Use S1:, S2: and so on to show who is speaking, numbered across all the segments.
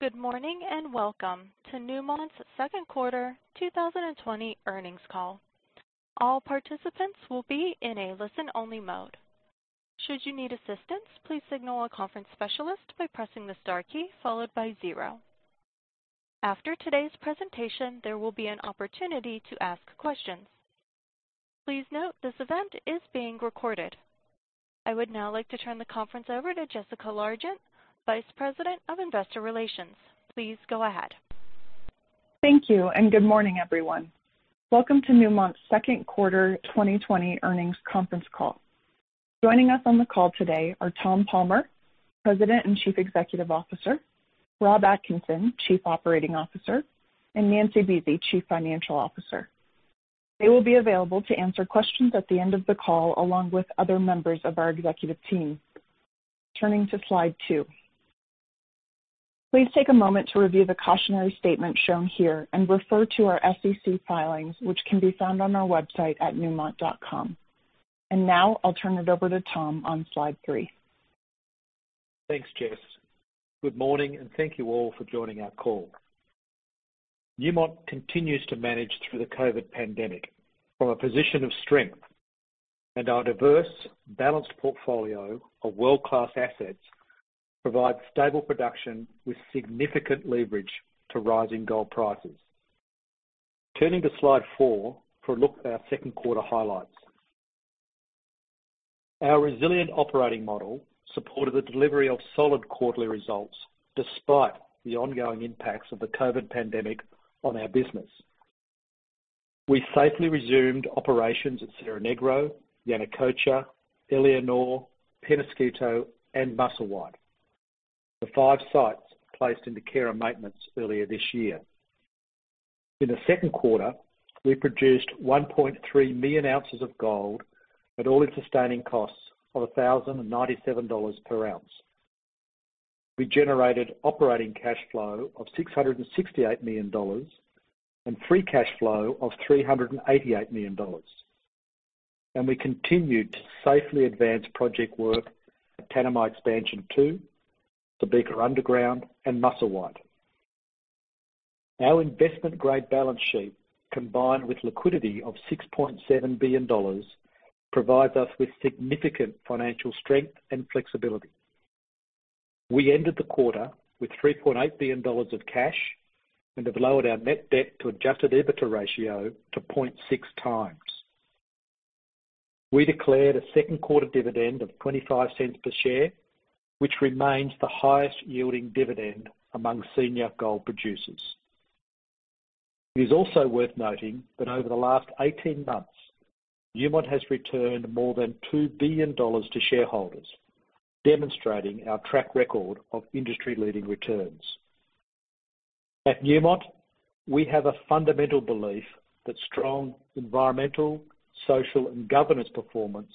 S1: Good morning, and welcome to Newmont's second quarter 2020 earnings call. All participants will be in a listen-only mode. Should you need assistance, please signal a conference specialist by pressing the star key followed by zero. After today's presentation, there will be an opportunity to ask questions. Please note this event is being recorded. I would now like to turn the conference over to Jessica Largent, Vice President of Investor Relations. Please go ahead.
S2: Thank you. Good morning, everyone. Welcome to Newmont's second quarter 2020 earnings conference call. Joining us on the call today are Tom Palmer, President and Chief Executive Officer, Rob Atkinson, Chief Operating Officer, and Nancy Buese, Chief Financial Officer. They will be available to answer questions at the end of the call, along with other members of our executive team. Turning to slide two. Please take a moment to review the cautionary statement shown here and refer to our SEC filings, which can be found on our website at newmont.com. Now I'll turn it over to Tom on slide three.
S3: Thanks, Jess. Good morning, thank you all for joining our call. Newmont continues to manage through the COVID pandemic from a position of strength, our diverse, balanced portfolio of world-class assets provides stable production with significant leverage to rising gold prices. Turning to slide four for a look at our second quarter highlights. Our resilient operating model supported the delivery of solid quarterly results despite the ongoing impacts of the COVID pandemic on our business. We safely resumed operations at Cerro Negro, Yanacocha, Éléonore, Peñasquito, and Musselwhite, the five sites placed into care and maintenance earlier this year. In the second quarter, we produced 1.3 million ounces of gold at all-in sustaining costs of $1,097 per ounce. We generated operating cash flow of $668 million and free cash flow of $388 million. We continued to safely advance project work at Tanami Expansion 2, Subika Underground, and Musselwhite. Our investment-grade balance sheet, combined with liquidity of $6.7 billion, provides us with significant financial strength and flexibility. We ended the quarter with $3.8 billion of cash and have lowered our net debt to adjusted EBITDA ratio to 0.6x. We declared a second quarter dividend of $0.25 per share, which remains the highest-yielding dividend among senior gold producers. It is also worth noting that over the last 18 months, Newmont has returned more than $2 billion to shareholders, demonstrating our track record of industry-leading returns. At Newmont, we have a fundamental belief that strong environmental, social, and governance performance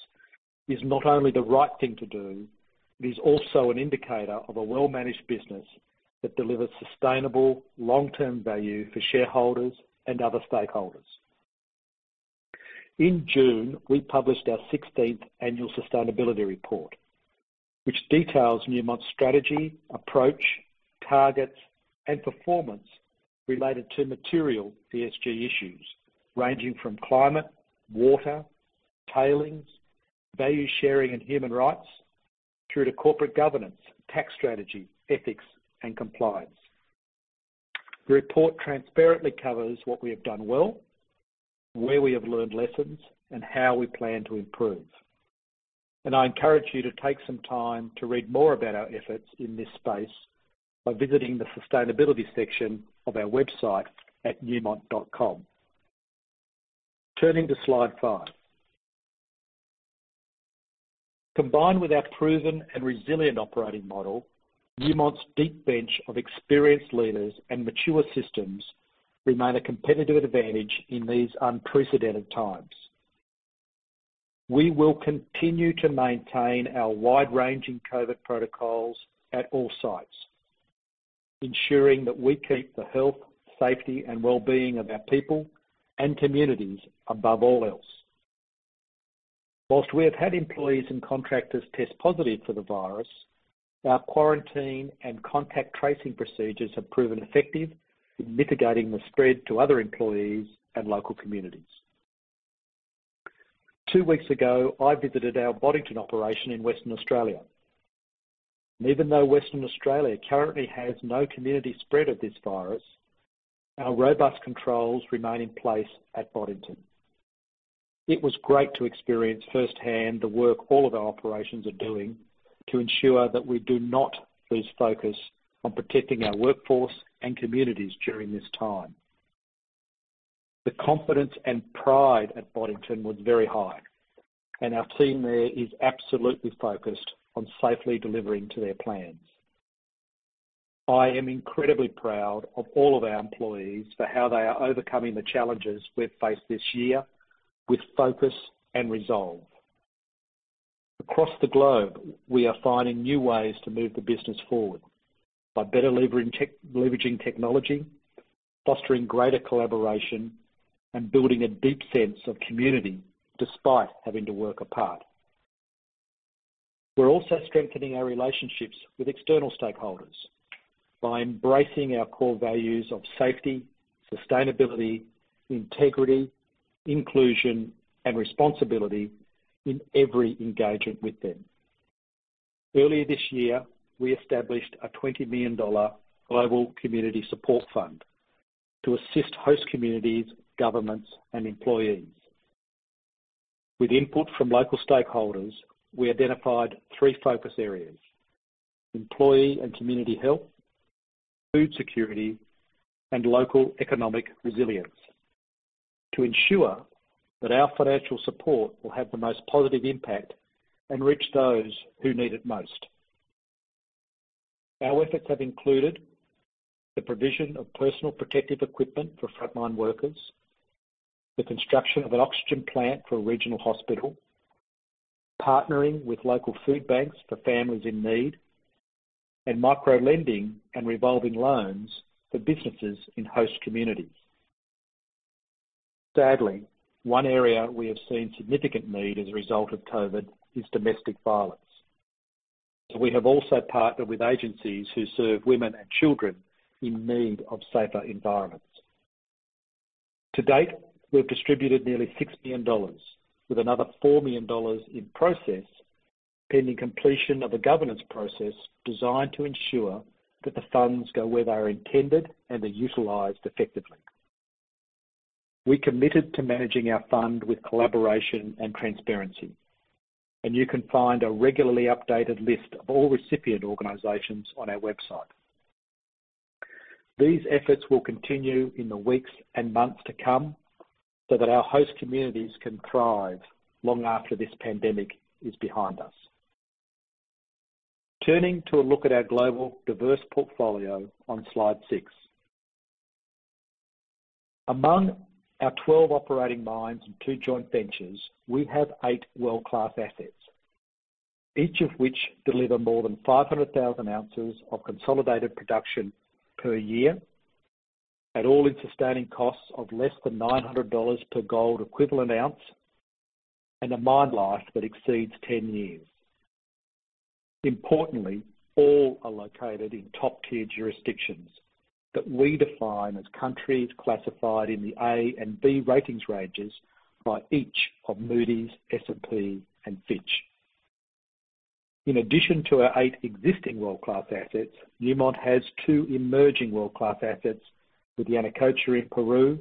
S3: is not only the right thing to do, but is also an indicator of a well-managed business that delivers sustainable long-term value for shareholders and other stakeholders. In June, we published our 16th annual sustainability report, which details Newmont's strategy, approach, targets, and performance related to material ESG issues, ranging from climate, water, tailings, value sharing, and human rights, through to corporate governance, tax strategy, ethics, and compliance. The report transparently covers what we have done well, where we have learned lessons, and how we plan to improve. I encourage you to take some time to read more about our efforts in this space by visiting the sustainability section of our website at newmont.com. Turning to slide five. Combined with our proven and resilient operating model, Newmont's deep bench of experienced leaders and mature systems remain a competitive advantage in these unprecedented times. We will continue to maintain our wide-ranging COVID protocols at all sites, ensuring that we keep the health, safety, and well-being of our people and communities above all else. Whilst we have had employees and contractors test positive for the virus, our quarantine and contact tracing procedures have proven effective in mitigating the spread to other employees and local communities. Two weeks ago, I visited our Boddington operation in Western Australia. Even though Western Australia currently has no community spread of this virus, our robust controls remain in place at Boddington. It was great to experience firsthand the work all of our operations are doing to ensure that we do not lose focus on protecting our workforce and communities during this time. The confidence and pride at Boddington was very high, and our team there is absolutely focused on safely delivering to their plans. I am incredibly proud of all of our employees for how they are overcoming the challenges we've faced this year with focus and resolve. Across the globe, we are finding new ways to move the business forward by better leveraging technology, fostering greater collaboration, and building a deep sense of community despite having to work apart. We're also strengthening our relationships with external stakeholders by embracing our core values of safety, sustainability, integrity, inclusion, and responsibility in every engagement with them. Earlier this year, we established a $20 million global community support fund to assist host communities, governments, and employees. With input from local stakeholders, we identified three focus areas, employee and community health, food security, and local economic resilience to ensure that our financial support will have the most positive impact and reach those who need it most. Our efforts have included the provision of personal protective equipment for frontline workers, the construction of an oxygen plant for a regional hospital, partnering with local food banks for families in need, and micro-lending and revolving loans for businesses in host communities. Sadly, one area we have seen significant need as a result of COVID is domestic violence. We have also partnered with agencies who serve women and children in need of safer environments. To date, we've distributed nearly $6 million, with another $4 million in process, pending completion of a governance process designed to ensure that the funds go where they are intended and are utilized effectively. We committed to managing our fund with collaboration and transparency, and you can find a regularly updated list of all recipient organizations on our website. These efforts will continue in the weeks and months to come so that our host communities can thrive long after this pandemic is behind us. Turning to a look at our global diverse portfolio on slide six. Among our 12 operating mines and two joint ventures, we have eight world-class assets, each of which deliver more than 500,000 ounces of consolidated production per year at all-in sustaining costs of less than $900 per gold equivalent ounce and a mine life that exceeds 10 years. Importantly, all are located in top-tier jurisdictions that we define as countries classified in the A and B ratings ranges by each of Moody's, S&P, and Fitch. In addition to our eight existing world-class assets, Newmont has two emerging world-class assets with Yanacocha in Peru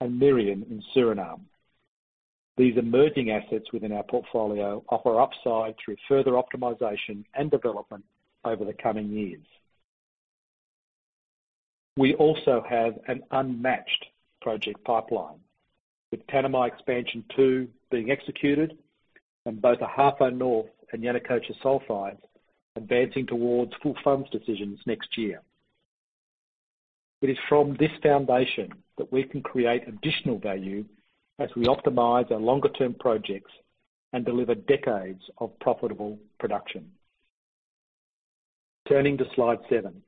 S3: and Merian in Suriname. These emerging assets within our portfolio offer upside through further optimization and development over the coming years. We also have an unmatched project pipeline, with Tanami Expansion two being executed and both Ahafo North and Yanacocha Sulfides advancing towards full funds decisions next year. It is from this foundation that we can create additional value as we optimize our longer-term projects and deliver decades of profitable production. Turning to slide seven.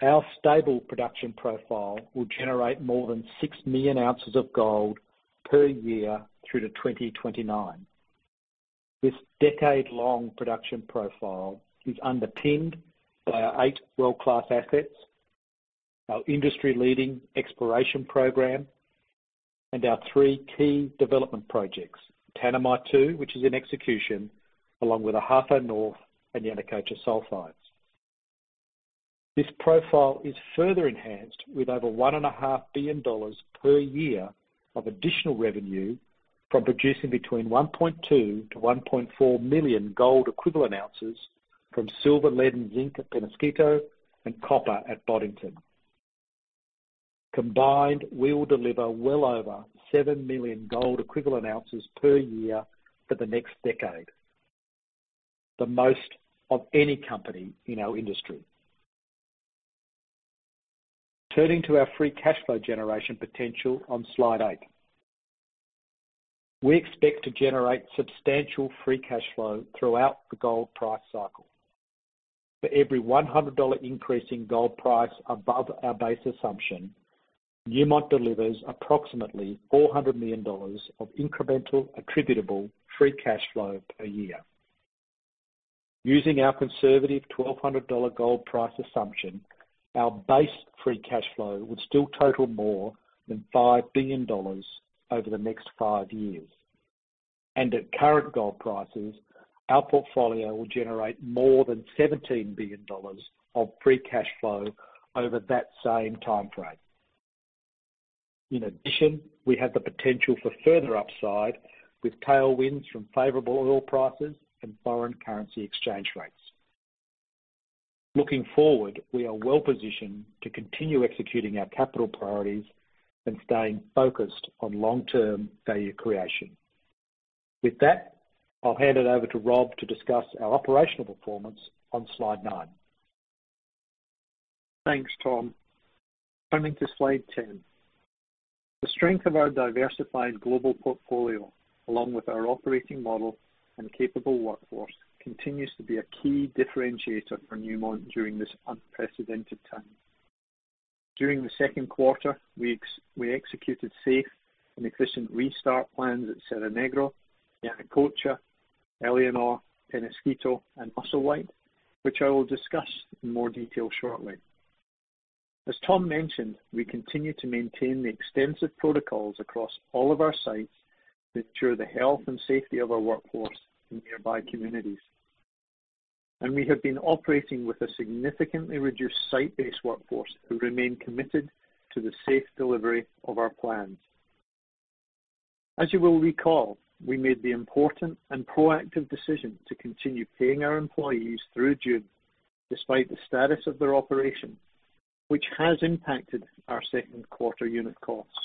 S3: Our stable production profile will generate more than 6 million ounces of gold per year through to 2029. This decade-long production profile is underpinned by our eight world-class assets, our industry-leading exploration program, and our three key development projects, Tanami 2, which is in execution, along with Ahafo North and Yanacocha Sulfides. This profile is further enhanced with over $1.5 billion per year of additional revenue from producing between 1.2 million-1.4 million gold equivalent ounces from silver, lead, and zinc at Peñasquito and copper at Boddington. Combined, we will deliver well over seven million gold equivalent ounces per year for the next decade, the most of any company in our industry. Turning to our free cash flow generation potential on slide eight. We expect to generate substantial free cash flow throughout the gold price cycle. For every $100 increase in gold price above our base assumption, Newmont delivers approximately $400 million of incremental attributable free cash flow per year. Using our conservative $1,200 gold price assumption, our base free cash flow would still total more than $5 billion over the next five years. At current gold prices, our portfolio will generate more than $17 billion of free cash flow over that same time frame. In addition, we have the potential for further upside with tailwinds from favorable oil prices and foreign currency exchange rates. Looking forward, we are well-positioned to continue executing our capital priorities and staying focused on long-term value creation. With that, I'll hand it over to Rob to discuss our operational performance on slide nine.
S4: Thanks, Tom. Turning to slide 10. The strength of our diversified global portfolio, along with our operating model and capable workforce, continues to be a key differentiator for Newmont during this unprecedented time. During the second quarter, we executed safe and efficient restart plans at Cerro Negro, Yanacocha, Éléonore, Peñasquito, and Musselwhite, which I will discuss in more detail shortly. As Tom mentioned, we continue to maintain the extensive protocols across all of our sites to ensure the health and safety of our workforce in nearby communities. We have been operating with a significantly reduced site-based workforce who remain committed to the safe delivery of our plans. As you will recall, we made the important and proactive decision to continue paying our employees through June, despite the status of their operation, which has impacted our second quarter unit costs.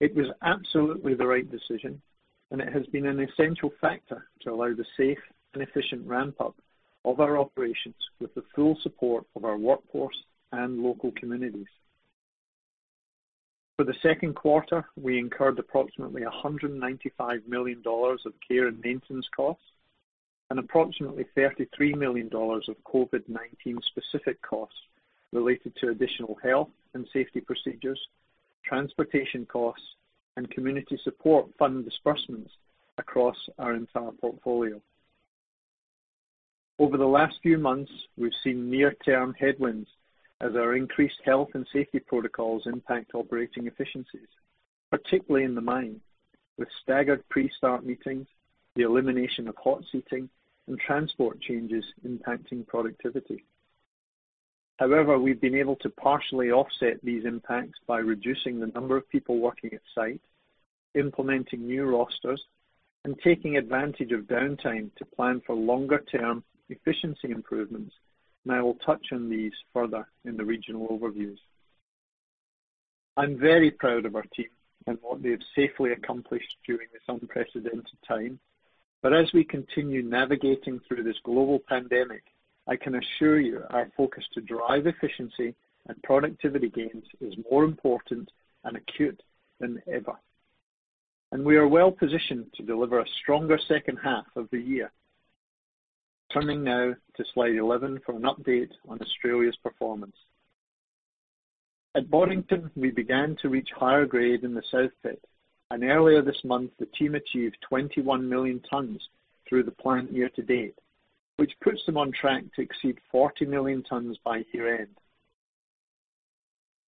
S4: It was absolutely the right decision, and it has been an essential factor to allow the safe and efficient ramp-up of our operations with the full support of our workforce and local communities. For the second quarter, we incurred approximately $195 million of care and maintenance costs and approximately $33 million of COVID-19 specific costs related to additional health and safety procedures, transportation costs, and community support fund disbursements across our entire portfolio. Over the last few months, we've seen near-term headwinds as our increased health and safety protocols impact operating efficiencies, particularly in the mine, with staggered pre-start meetings, the elimination of hot seating, and transport changes impacting productivity. However, we've been able to partially offset these impacts by reducing the number of people working at site, implementing new rosters, and taking advantage of downtime to plan for longer-term efficiency improvements, and I will touch on these further in the regional overviews. I'm very proud of our team and what they have safely accomplished during this unprecedented time. As we continue navigating through this global pandemic, I can assure you our focus to drive efficiency and productivity gains is more important and acute than ever. We are well positioned to deliver a stronger second half of the year. Turning now to slide 11 for an update on Australia's performance. At Boddington, we began to reach higher grade in the South Pit, and earlier this month, the team achieved 21 million tons through the plant year to date, which puts them on track to exceed 40 million tons by year-end.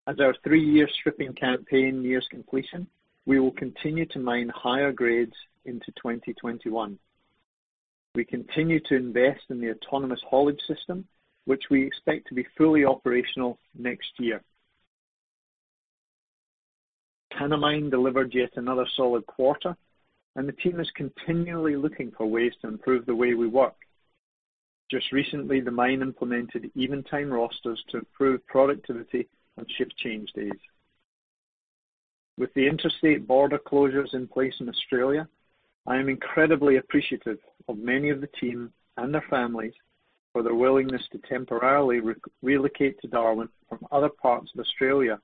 S4: As our three-year stripping campaign nears completion, we will continue to mine higher grades into 2021. We continue to invest in the autonomous haulage system, which we expect to be fully operational next year. Tanami Mine delivered yet another solid quarter, and the team is continually looking for ways to improve the way we work. Just recently, the mine implemented even time rosters to improve productivity on shift change days. With the interstate border closures in place in Australia, I am incredibly appreciative of many of the team and their families for their willingness to temporarily relocate to Darwin from other parts of Australia,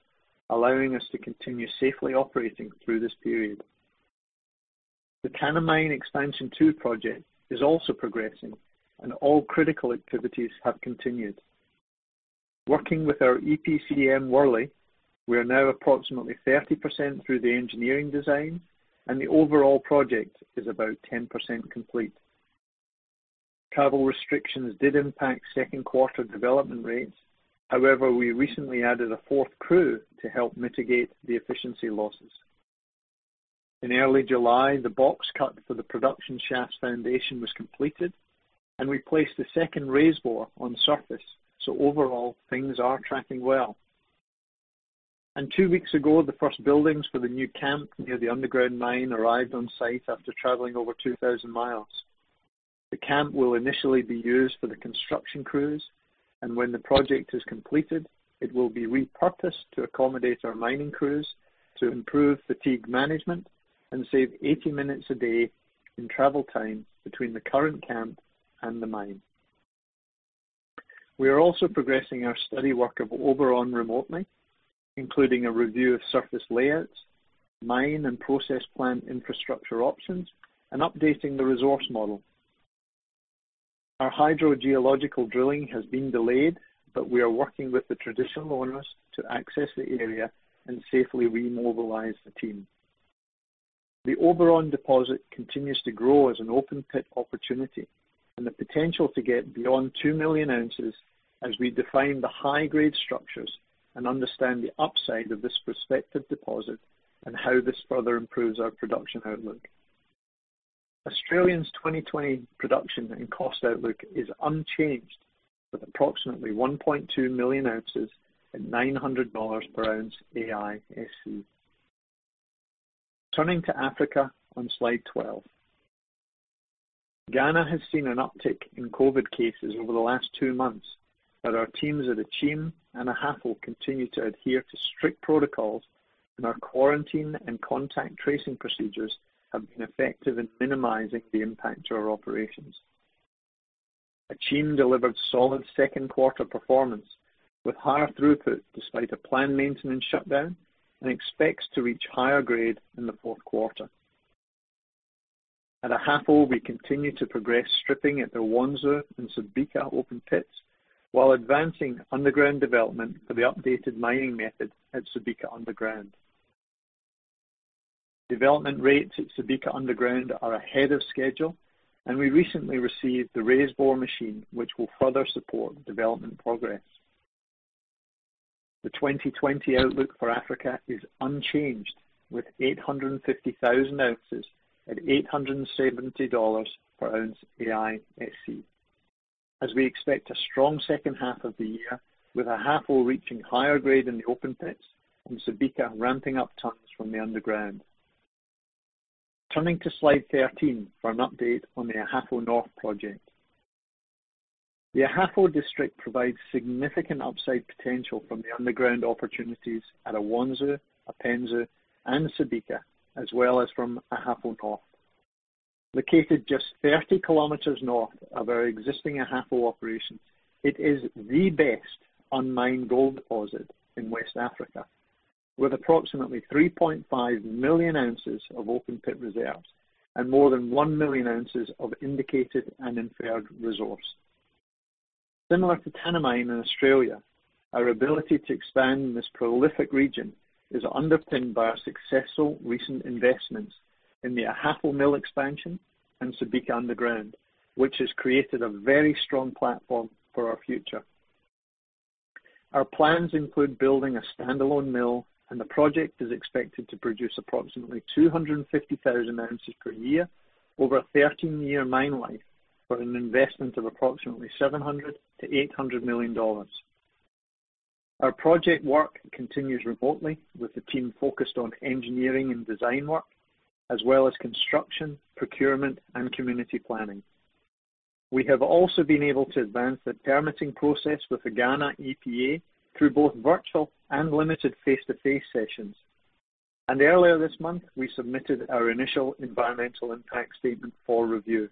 S4: allowing us to continue safely operating through this period. The Tanami Mine Expansion 2 project is also progressing and all critical activities have continued. Working with our EPCM, Worley, we are now approximately 30% through the engineering design, and the overall project is about 10% complete. Travel restrictions did impact second quarter development rates. We recently added a fourth crew to help mitigate the efficiency losses. In early July, the box cut for the production shaft foundation was completed, and we placed the second raisebore on surface. Overall, things are tracking well. Two weeks ago, the first buildings for the new camp near the underground mine arrived on site after traveling over 2,000 mi. The camp will initially be used for the construction crews, and when the project is completed, it will be repurposed to accommodate our mining crews to improve fatigue management and save 80 minutes a day in travel time between the current camp and the mine. We are also progressing our study work of Oberon remotely, including a review of surface layouts, mine and process plant infrastructure options, and updating the resource model. Our hydrogeological drilling has been delayed, but we are working with the traditional owners to access the area and safely remobilize the team. The Oberon deposit continues to grow as an open pit opportunity and the potential to get beyond 2 million ounces as we define the high-grade structures and understand the upside of this prospective deposit and how this further improves our production outlook. Australia's 2020 production and cost outlook is unchanged, with approximately 1.2 million ounces at $900 per ounce AISC. Turning to Africa on slide 12. Ghana has seen an uptick in COVID cases over the last two months, but our teams at Akyem and Ahafo continue to adhere to strict protocols, and our quarantine and contact tracing procedures have been effective in minimizing the impact to our operations. Akyem delivered solid second quarter performance with higher throughput despite a planned maintenance shutdown and expects to reach higher grade in the fourth quarter. At Ahafo, we continue to progress stripping at the Awonsu and Subika open pits while advancing underground development for the updated mining method at Subika Underground. Development rates at Subika Underground are ahead of schedule, and we recently received the raise bore machine, which will further support development progress. The 2020 outlook for Africa is unchanged, with 850,000 ounces at $870 per ounce AISC, as we expect a strong second half of the year, with Ahafo reaching higher grade in the open pits and Subika ramping up tonnes from the underground. Turning to slide 13 for an update on the Ahafo North project. The Ahafo district provides significant upside potential from the underground opportunities at Awonsu, Apensu, and Subika, as well as from Ahafo North. Located just 30 km north of our existing Ahafo operation, it is the best-unmined gold deposit in West Africa, with approximately 3.5 million ounces of open pit reserves and more than 1 million ounces of indicated and inferred resource. Similar to Tanami in Australia, our ability to expand in this prolific region is underpinned by our successful recent investments in the Ahafo Mill Expansion and Subika Underground, which has created a very strong platform for our future. Our plans include building a standalone mill, and the project is expected to produce approximately 250,000 ounces per year over a 13-year mine life for an investment of approximately $700 million-$800 million. Our project work continues remotely, with the team focused on engineering and design work, as well as construction, procurement, and community planning. We have also been able to advance the permitting process with the Ghana EPA through both virtual and limited face-to-face sessions. Earlier this month, we submitted our initial environmental impact statement for review.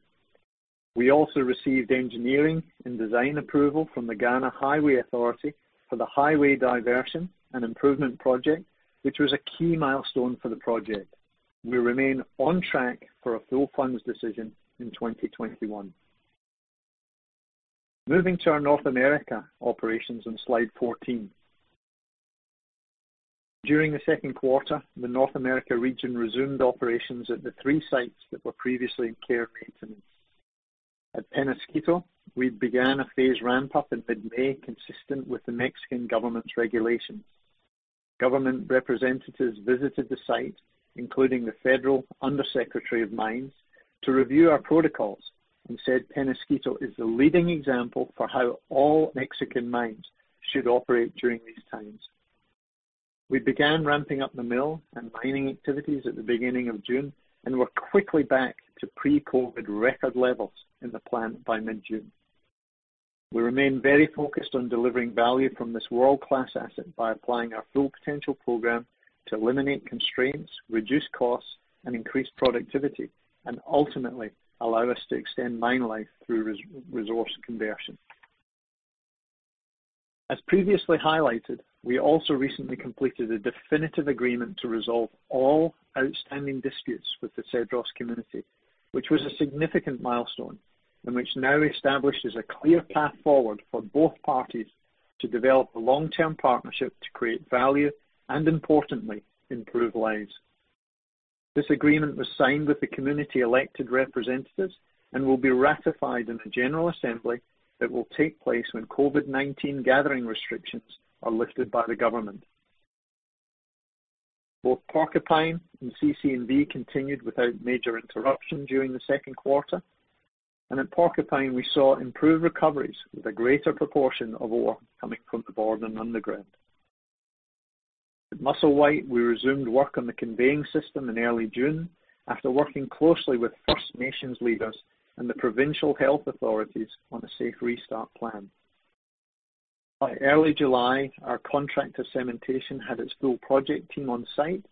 S4: We also received engineering and design approval from the Ghana Highway Authority for the highway diversion and improvement project, which was a key milestone for the project. We remain on track for a full funds decision in 2021. Moving to our North America operations on slide 14. During the second quarter, the North America region resumed operations at the three sites that were previously in care maintenance. At Peñasquito, we began a phased ramp-up in mid-May consistent with the Mexican government's regulations. Government representatives visited the site, including the Federal Undersecretary of Mines, to review our protocols and said Peñasquito is the leading example for how all Mexican mines should operate during these times. We began ramping up the mill and mining activities at the beginning of June and were quickly back to pre-COVID record levels in the plant by mid-June. We remain very focused on delivering value from this world-class asset by applying our Full Potential program to eliminate constraints, reduce costs, and increase productivity, and ultimately allow us to extend mine life through resource conversion. As previously highlighted, we also recently completed a definitive agreement to resolve all outstanding disputes with the Cedros community, which was a significant milestone, and which now establishes a clear path forward for both parties to develop a long-term partnership to create value and importantly, improve lives. This agreement was signed with the community elected representatives and will be ratified in a general assembly that will take place when COVID-19 gathering restrictions are lifted by the government. Both Porcupine and CC&V continued without major interruption during the second quarter. At Porcupine, we saw improved recoveries with a greater proportion of ore coming from the board and underground. At Musselwhite, we resumed work on the conveying system in early June after working closely with First Nations leaders and the provincial health authorities on a safe restart plan. By early July, our contract cementation had its full project team on-site,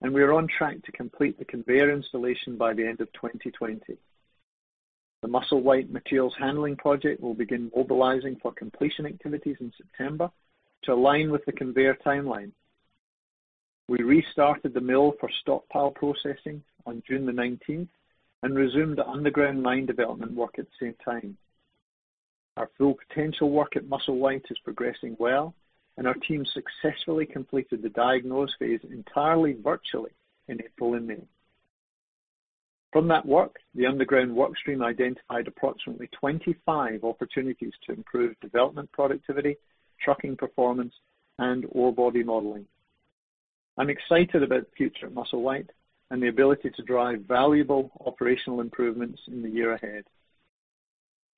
S4: and we are on track to complete the conveyor installation by the end of 2020. The Musselwhite materials handling project will begin mobilizing for completion activities in September to align with the conveyor timeline. We restarted the mill for stockpile processing on June the 19th and resumed the underground mine development work at the same time. Our Full Potential work at Musselwhite is progressing well, and our team successfully completed the diagnose phase entirely virtually in April and May. From that work, the underground work stream identified approximately 25 opportunities to improve development productivity, trucking performance, and ore body modeling. I'm excited about the future of Musselwhite and the ability to drive valuable operational improvements in the year ahead.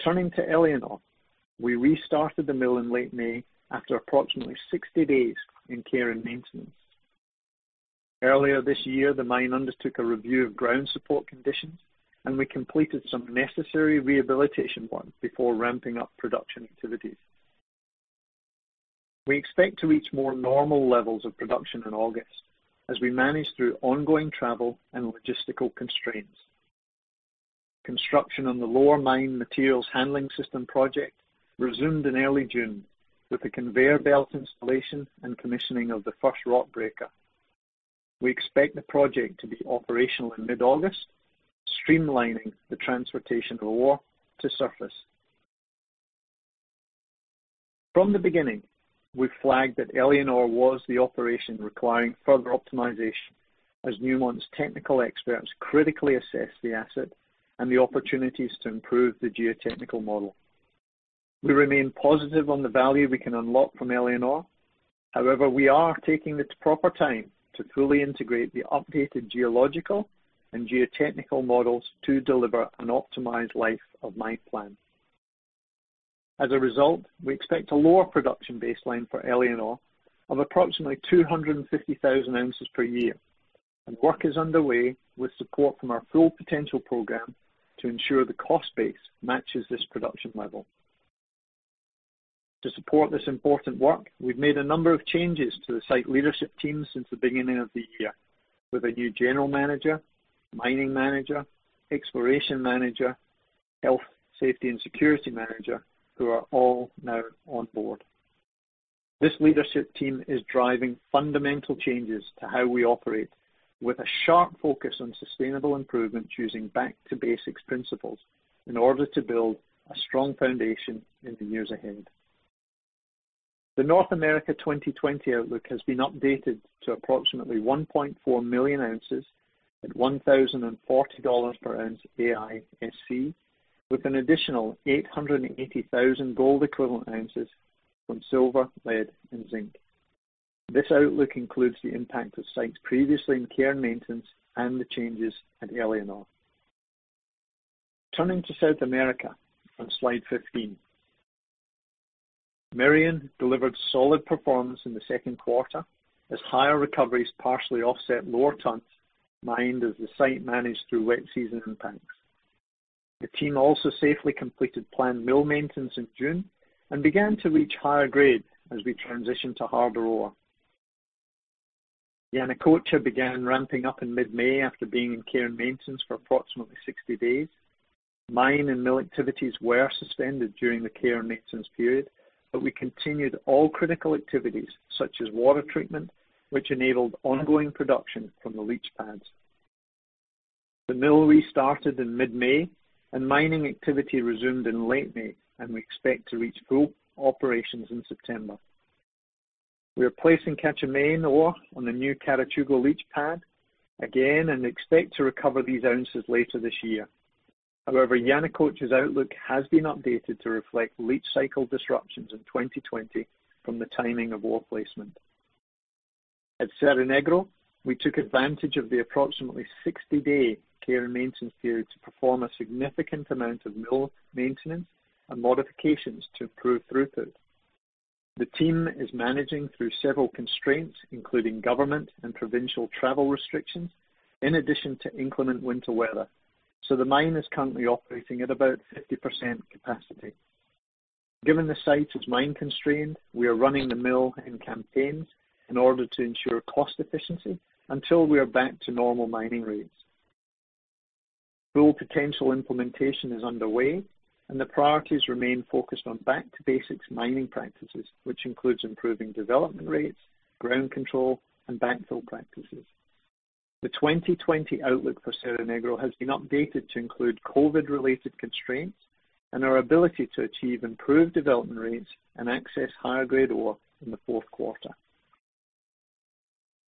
S4: Turning to Éléonore, we restarted the mill in late May after approximately 60 days in care and maintenance. Earlier this year, the mine undertook a review of ground support conditions, and we completed some necessary rehabilitation work before ramping up production activities. We expect to reach more normal levels of production in August as we manage through ongoing travel and logistical constraints. Construction on the lower mine materials handling system project resumed in early June with the conveyor belt installation and commissioning of the first rock breaker. We expect the project to be operational in mid-August, streamlining the transportation of ore to surface. From the beginning, we flagged that Éléonore was the operation requiring further optimization as Newmont's technical experts critically assessed the asset and the opportunities to improve the geotechnical model. We remain positive on the value we can unlock from Éléonore. We are taking the proper time to fully integrate the updated geological and geotechnical models to deliver an optimized life of mine plan. We expect a lower production baseline for Éléonore of approximately 250,000 ounces per year, and work is underway with support from our Full Potential program to ensure the cost base matches this production level. To support this important work, we've made a number of changes to the site leadership team since the beginning of the year with a new general manager, mining manager, exploration manager, health, safety, and security manager, who are all now on board. This leadership team is driving fundamental changes to how we operate with a sharp focus on sustainable improvement using back-to-basics principles in order to build a strong foundation in the years ahead. The North America 2020 outlook has been updated to approximately 1.4 million ounces at $1,040 per ounce AISC, with an additional 880,000 gold equivalent ounces from silver, lead, and zinc. This outlook includes the impact of sites previously in care and maintenance and the changes at Éléonore. Turning to South America on slide 15. Merian delivered solid performance in the second quarter as higher recoveries partially offset lower tons mined as the site managed through wet season impacts. The team also safely completed planned mill maintenance in June and began to reach higher grade as we transition to harder ore. Yanacocha began ramping up in mid-May after being in care and maintenance for approximately 60 days. Mine and mill activities were suspended during the care and maintenance period, but we continued all critical activities such as water treatment, which enabled ongoing production from the leach pads. The mill restarted in mid-May, and mining activity resumed in late May, and we expect to reach full operations in September. We are placing Cajamaina ore on the new Caratagua leach pad again and expect to recover these ounces later this year. However, Yanacocha's outlook has been updated to reflect leach cycle disruptions in 2020 from the timing of ore placement. At Cerro Negro, we took advantage of the approximately 60-day care and maintenance period to perform a significant amount of mill maintenance and modifications to improve throughput. The team is managing through several constraints, including government and provincial travel restrictions, in addition to inclement winter weather, so the mine is currently operating at about 50% capacity. Given the site is mine constrained, we are running the mill in campaigns in order to ensure cost efficiency until we are back to normal mining rates. Full Potential implementation is underway, and the priorities remain focused on back-to-basics mining practices, which includes improving development rates, ground control, and backfill practices. The 2020 outlook for Cerro Negro has been updated to include COVID-related constraints and our ability to achieve improved development rates and access higher-grade ore in the fourth quarter.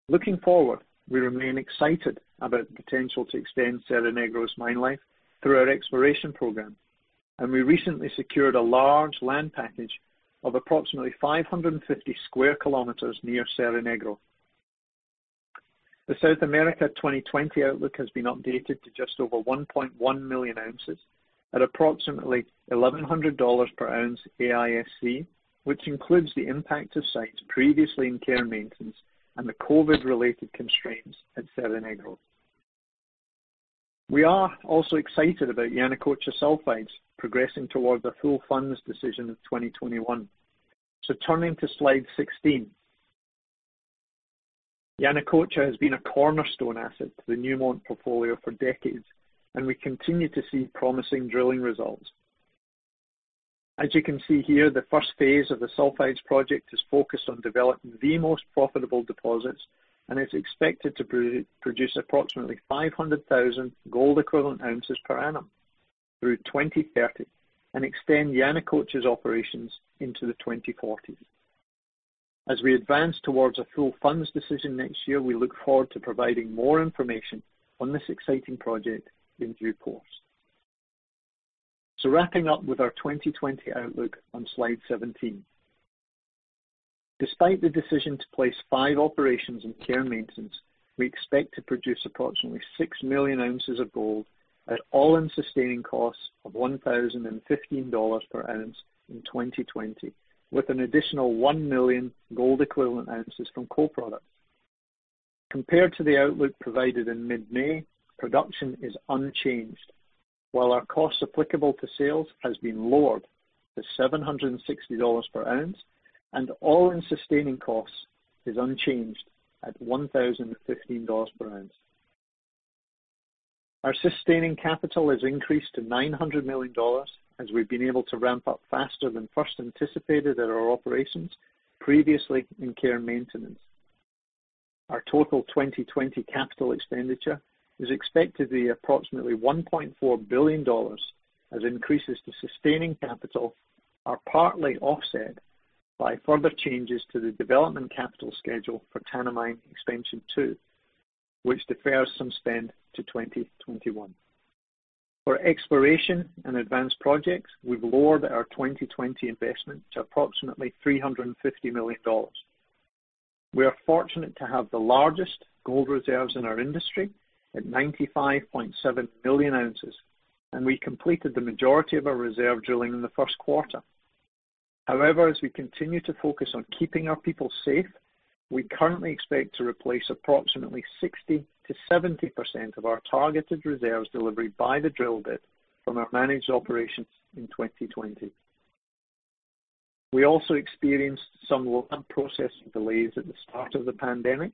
S4: Looking forward, we remain excited about the potential to extend Cerro Negro's mine life through our exploration program, and we recently secured a large land package of approximately 550 square kilometers near Cerro Negro. The South America 2020 outlook has been updated to just over 1.1 million ounces at approximately $1,100 per ounce AISC, which includes the impact of sites previously in care and maintenance and the COVID-related constraints at Cerro Negro. We are also excited about Yanacocha sulfides progressing towards a full funds decision in 2021. Turning to slide 16. Yanacocha has been a cornerstone asset to the Newmont portfolio for decades, and we continue to see promising drilling results. As you can see here, the first phase of the sulfides project is focused on developing the most profitable deposits and is expected to produce approximately 500,000 gold equivalent ounces per annum through 2030 and extend Yanacocha's operations into the 2040s. We advance towards a full funds decision next year, we look forward to providing more information on this exciting project in due course. Wrapping up with our 2020 outlook on slide seventeen. Despite the decision to place five operations in care and maintenance, we expect to produce approximately 6 million ounces of gold at all-in sustaining costs of $1,015 per ounce in 2020, with an additional 1 million gold equivalent ounces from co-products. Compared to the outlook provided in mid-May, production is unchanged. While our costs applicable to sales has been lowered to $760 per ounce, All-in sustaining costs is unchanged at $1,015 per ounce. Our sustaining capital has increased to $900 million as we've been able to ramp up faster than first anticipated at our operations previously in care and maintenance. Our total 2020 capital expenditure is expected to be approximately $1.4 billion, as increases to sustaining capital are partly offset by further changes to the development capital schedule for Tanami Expansion 2, which defers some spend to 2021. For exploration and advanced projects, we've lowered our 2020 investment to approximately $350 million. We are fortunate to have the largest gold reserves in our industry at 95.7 billion ounces, We completed the majority of our reserve drilling in the first quarter. However, as we continue to focus on keeping our people safe, we currently expect to replace approximately 60%-70% of our targeted reserves delivery by the drill bit from our managed operations in 2020. We also experienced some processing delays at the start of the pandemic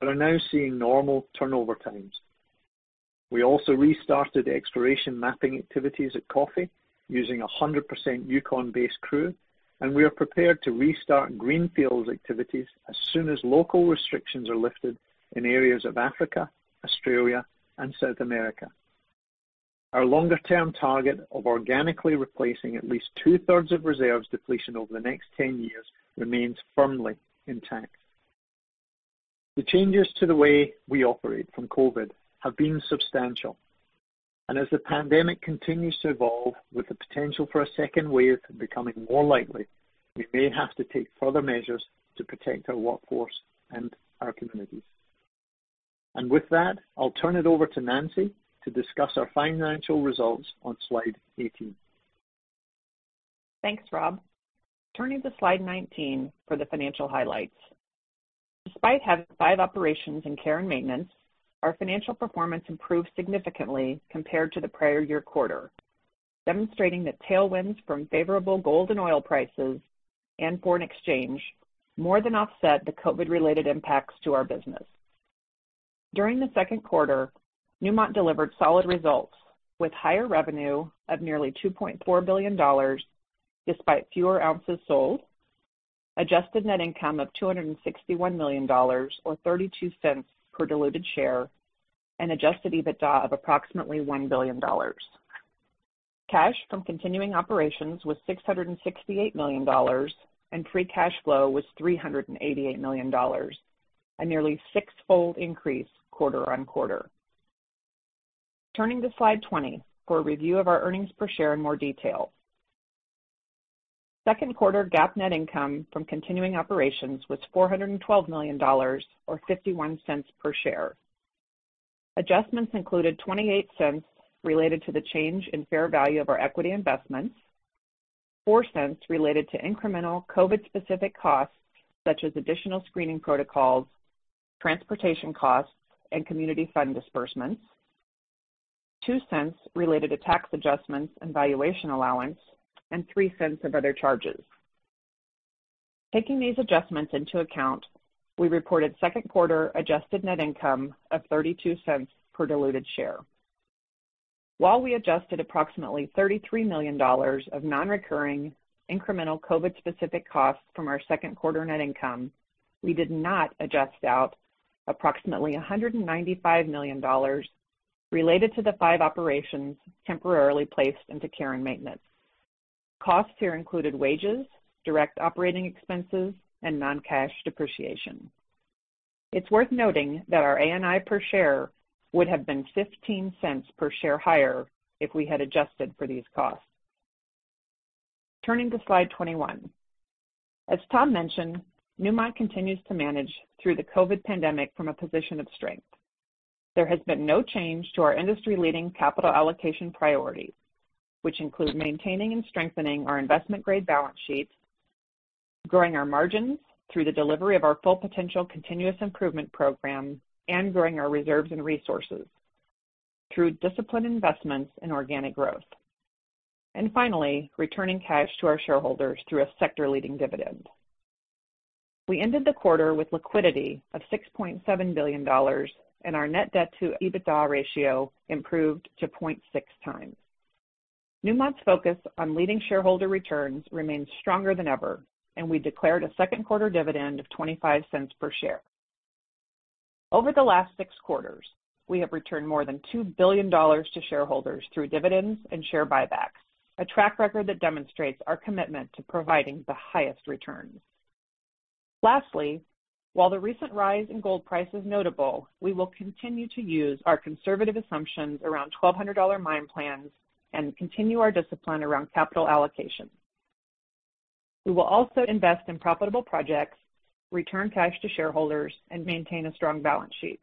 S4: but are now seeing normal turnover times. We also restarted exploration mapping activities at Coffee using 100% Yukon-based crew, and we are prepared to restart greenfields activities as soon as local restrictions are lifted in areas of Africa, Australia, and South America. Our longer-term target of organically replacing at least two-thirds of reserves depletion over the next 10 years remains firmly intact. The changes to the way we operate from COVID have been substantial. As the pandemic continues to evolve with the potential for a second wave becoming more likely, we may have to take further measures to protect our workforce and our communities. With that, I'll turn it over to Nancy to discuss our financial results on slide 18.
S5: Thanks, Rob. Turning to slide 19 for the financial highlights. Despite having five operations in care and maintenance, our financial performance improved significantly compared to the prior year quarter, demonstrating that tailwinds from favorable gold and oil prices and foreign exchange more than offset the COVID-related impacts to our business. During the second quarter, Newmont delivered solid results with higher revenue of nearly $2.4 billion, despite fewer ounces sold, adjusted net income of $261 million, or $0.32 per diluted share, and adjusted EBITDA of approximately $1 billion. Cash from continuing operations was $668 million, and free cash flow was $388 million, a nearly six-fold increase quarter-on-quarter. Turning to slide 20 for a review of our earnings per share in more detail. Second quarter GAAP net income from continuing operations was $412 million, or $0.51 per share. Adjustments included $0.28 related to the change in fair value of our equity investments, $0.04 related to incremental COVID-specific costs, such as additional screening protocols, transportation costs, and community fund disbursements, $0.02 related to tax adjustments and valuation allowance, and $0.03 of other charges. Taking these adjustments into account, we reported second quarter adjusted net income of $0.32 per diluted share. While we adjusted approximately $33 million of non-recurring incremental COVID-specific costs from our second quarter net income, we did not adjust out approximately $195 million related to the five operations temporarily placed into care and maintenance. Costs here included wages, direct operating expenses, and non-cash depreciation. It's worth noting that our ANI per share would have been $0.15 per share higher if we had adjusted for these costs. Turning to slide 21. As Tom mentioned, Newmont continues to manage through the COVID pandemic from a position of strength. There has been no change to our industry leading capital allocation priorities, which include maintaining and strengthening our investment-grade balance sheets, growing our margins through the delivery of our Full Potential continuous improvement program, growing our reserves and resources through disciplined investments and organic growth. Finally, returning cash to our shareholders through a sector-leading dividend. We ended the quarter with liquidity of $6.7 billion, and our net debt to EBITDA ratio improved to 0.6 times. Newmont's focus on leading shareholder returns remains stronger than ever, and we declared a second quarter dividend of $0.25 per share. Over the last six quarters, we have returned more than $2 billion to shareholders through dividends and share buybacks, a track record that demonstrates our commitment to providing the highest returns. Lastly, while the recent rise in gold price is notable, we will continue to use our conservative assumptions around $1,200 mine plans and continue our discipline around capital allocation. We will also invest in profitable projects, return cash to shareholders, and maintain a strong balance sheet.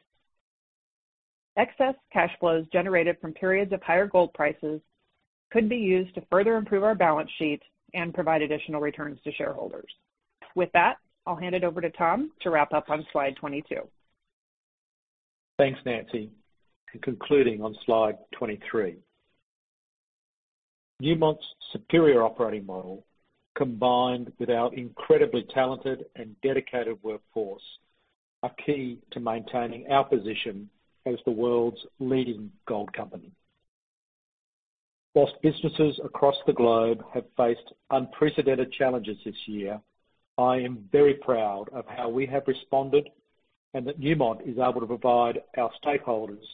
S5: Excess cash flows generated from periods of higher gold prices could be used to further improve our balance sheet and provide additional returns to shareholders. With that, I'll hand it over to Tom to wrap up on slide 22.
S3: Thanks, Nancy. Concluding on slide 23. Newmont's superior operating model, combined with our incredibly talented and dedicated workforce, are key to maintaining our position as the world's leading gold company. Whilst businesses across the globe have faced unprecedented challenges this year, I am very proud of how we have responded and that Newmont is able to provide our stakeholders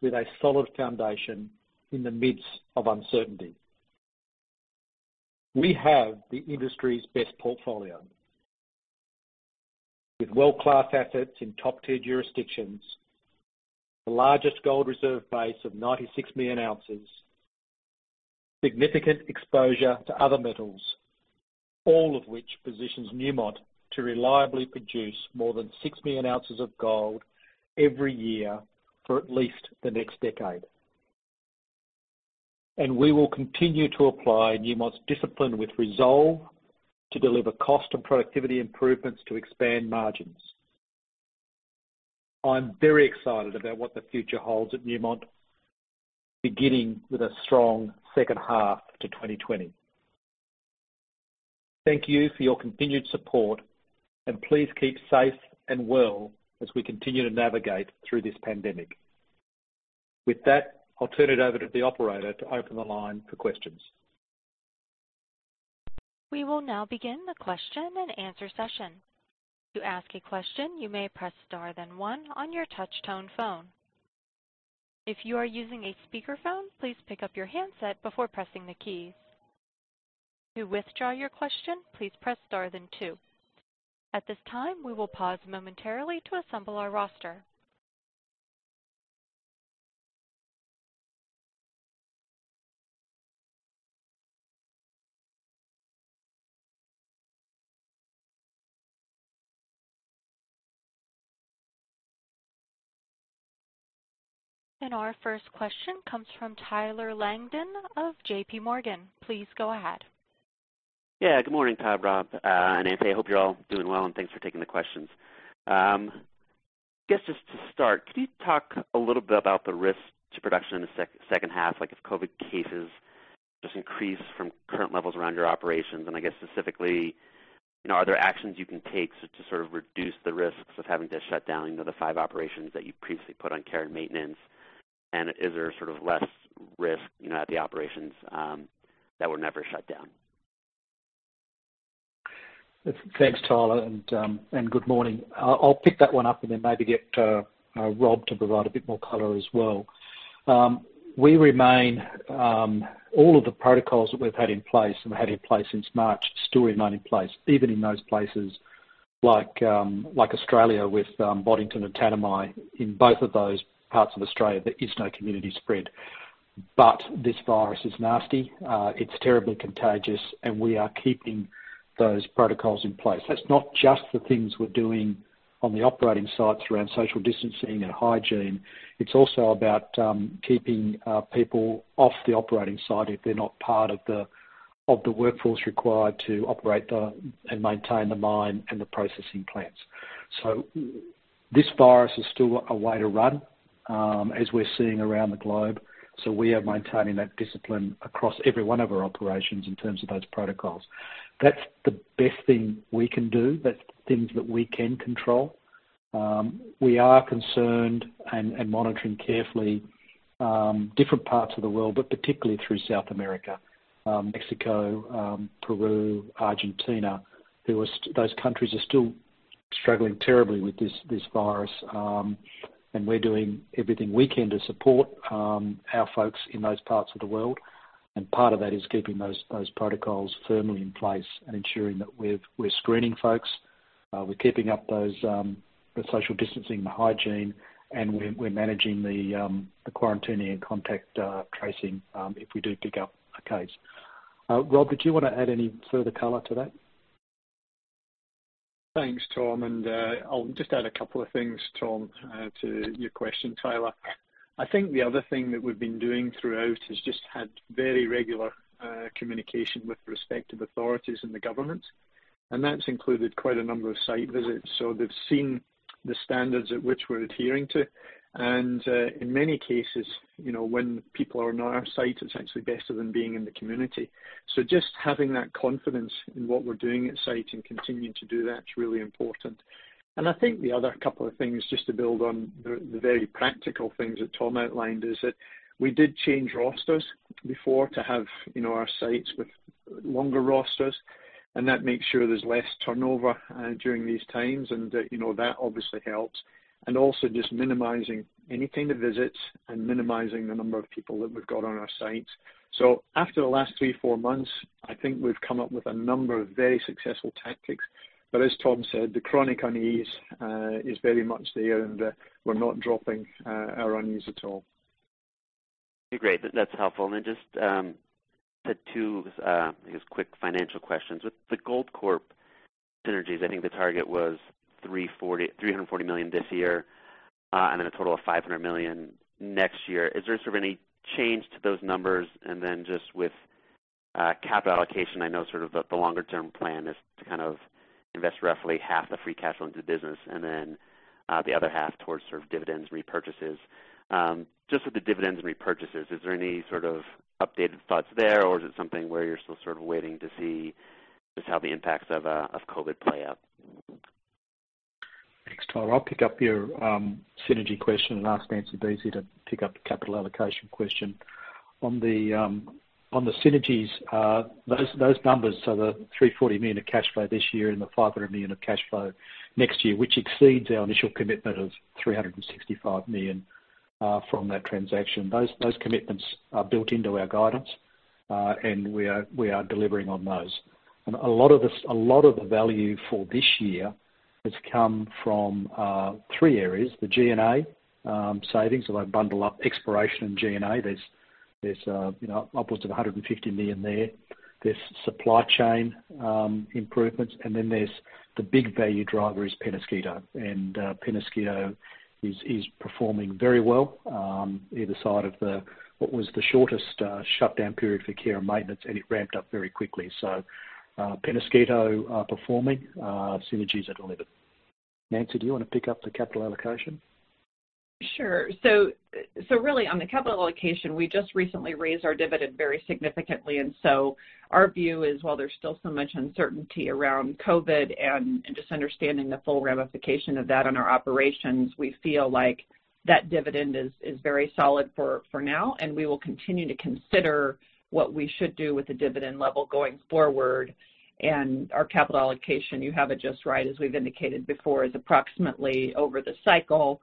S3: with a solid foundation in the midst of uncertainty. We have the industry's best portfolio. With world-class assets in top-tier jurisdictions, the largest gold reserve base of 96 million ounces, significant exposure to other metals, all of which positions Newmont to reliably produce more than six million ounces of gold every year for at least the next decade. We will continue to apply Newmont's discipline with resolve to deliver cost and productivity improvements to expand margins. I'm very excited about what the future holds at Newmont, beginning with a strong second half to 2020. Thank you for your continued support, and please keep safe and well as we continue to navigate through this pandemic. With that, I'll turn it over to the operator to open the line for questions.
S1: We will now begin the question and answer session. To ask a question, you may press star then one on your touch tone phone. If you are using a speakerphone, please pick up your handset before pressing the keys. To withdraw your question, please press star then two. At this time, we will pause momentarily to assemble our roster. Our first question comes from Tyler Langton of JPMorgan. Please go ahead.
S6: Yeah. Good morning, Tom, Rob, and Nancy. I hope you're all doing well, and thanks for taking the questions. I guess just to start, could you talk a little bit about the risk to production in the second half, like if COVID cases just increase from current levels around your operations. I guess specifically, are there actions you can take to, sort of, reduce the risks of having to shut down the five operations that you previously put on care and maintenance? Is there sort of less risk at the operations that were never shut down?
S3: Thanks, Tyler, and good morning. I'll pick that one up and then maybe get Rob to provide a bit more color as well. We remain all of the protocols that we've had in place and had in place since March, still remain in place, even in those places like Australia with Boddington and Tanami. In both of those parts of Australia, there is no community spread. This virus is nasty, it's terribly contagious, and we are keeping those protocols in place. That's not just the things we're doing on the operating sites around social distancing and hygiene. It's also about keeping people off the operating site if they're not part of the workforce required to operate the, and maintain the mine and the processing plants. This virus is still a way to run, as we're seeing around the globe, so we are maintaining that discipline across every one of our operations in terms of those protocols. That's the best thing we can do. That's the things that we can control. We are concerned and monitoring carefully, different parts of the world, but particularly through South America, Mexico, Peru, Argentina. Those countries are still struggling terribly with this virus. And we're doing everything we can to support our folks in those parts of the world, and part of that is keeping those protocols firmly in place and ensuring that we're screening folks. We're keeping up those, the social distancing, the hygiene, and we're managing the quarantining and contact tracing, if we do pick up a case. Rob, did you want to add any further color to that?
S4: Thanks, Tom, I'll just add a couple of things, Tom, to your question, Tyler. I think the other thing that we've been doing throughout is just had very regular communication with respective authorities in the government, that's included quite a number of site visits. They've seen the standards at which we're adhering to. In many cases, when people are on our site, it's actually better than being in the community. Just having that confidence in what we're doing at site and continuing to do that is really important. I think the other couple of things, just to build on the very practical things that Tom outlined, is that we did change rosters before to have our sites with longer rosters, that makes sure there's less turnover during these times, that, you know, that obviously helps. Also just minimizing any kind of visits and minimizing the number of people that we've got on our sites. After the last three, four months, I think we've come up with a number of very successful tactics. As Tom said, the chronic unease is very much there, and we're not dropping our unease at all.
S6: Okay, great. That's helpful. Just, I guess two quick financial questions. With the Goldcorp synergies, I think the target was $340 million this year, and then a total of $500 million next year. Is there, sort of, any change to those numbers? Just Capital allocation, I know the longer-term plan is to invest roughly half the free cash flow into the business, and then the other half towards dividends, repurchases. Just with the dividends and repurchases, is there any sort of updated thoughts there, or is it something where you're still waiting to see just how the impacts of COVID play out?
S3: Thanks, Tyler. I'll pick up your synergy question and ask Nancy Buese to pick up the capital allocation question. On the synergies, those numbers, so the $340 million of cash flow this year and the $500 million of cash flow next year, which exceeds our initial commitment of $365 million from that transaction. We are delivering on those. A lot of the value for this year has come from three areas, the G&A savings, although bundle up exploration and G&A, there's upwards of $150 million there. There's supply chain improvements, and then there's the big value driver is Peñasquito. Peñasquito is performing very well, either side of what was the shortest shutdown period for care and maintenance, and it ramped up very quickly. Peñasquito performing, synergies are delivered. Nancy, do you want to pick up the capital allocation?
S5: Sure. Really, on the capital allocation, we just recently raised our dividend very significantly, and so our view is while there's still so much uncertainty around COVID and just understanding the full ramification of that on our operations, we feel like that dividend is very solid for now, and we will continue to consider what we should do with the dividend level going forward. Our capital allocation, you have it just right, as we've indicated before, is approximately over the cycle,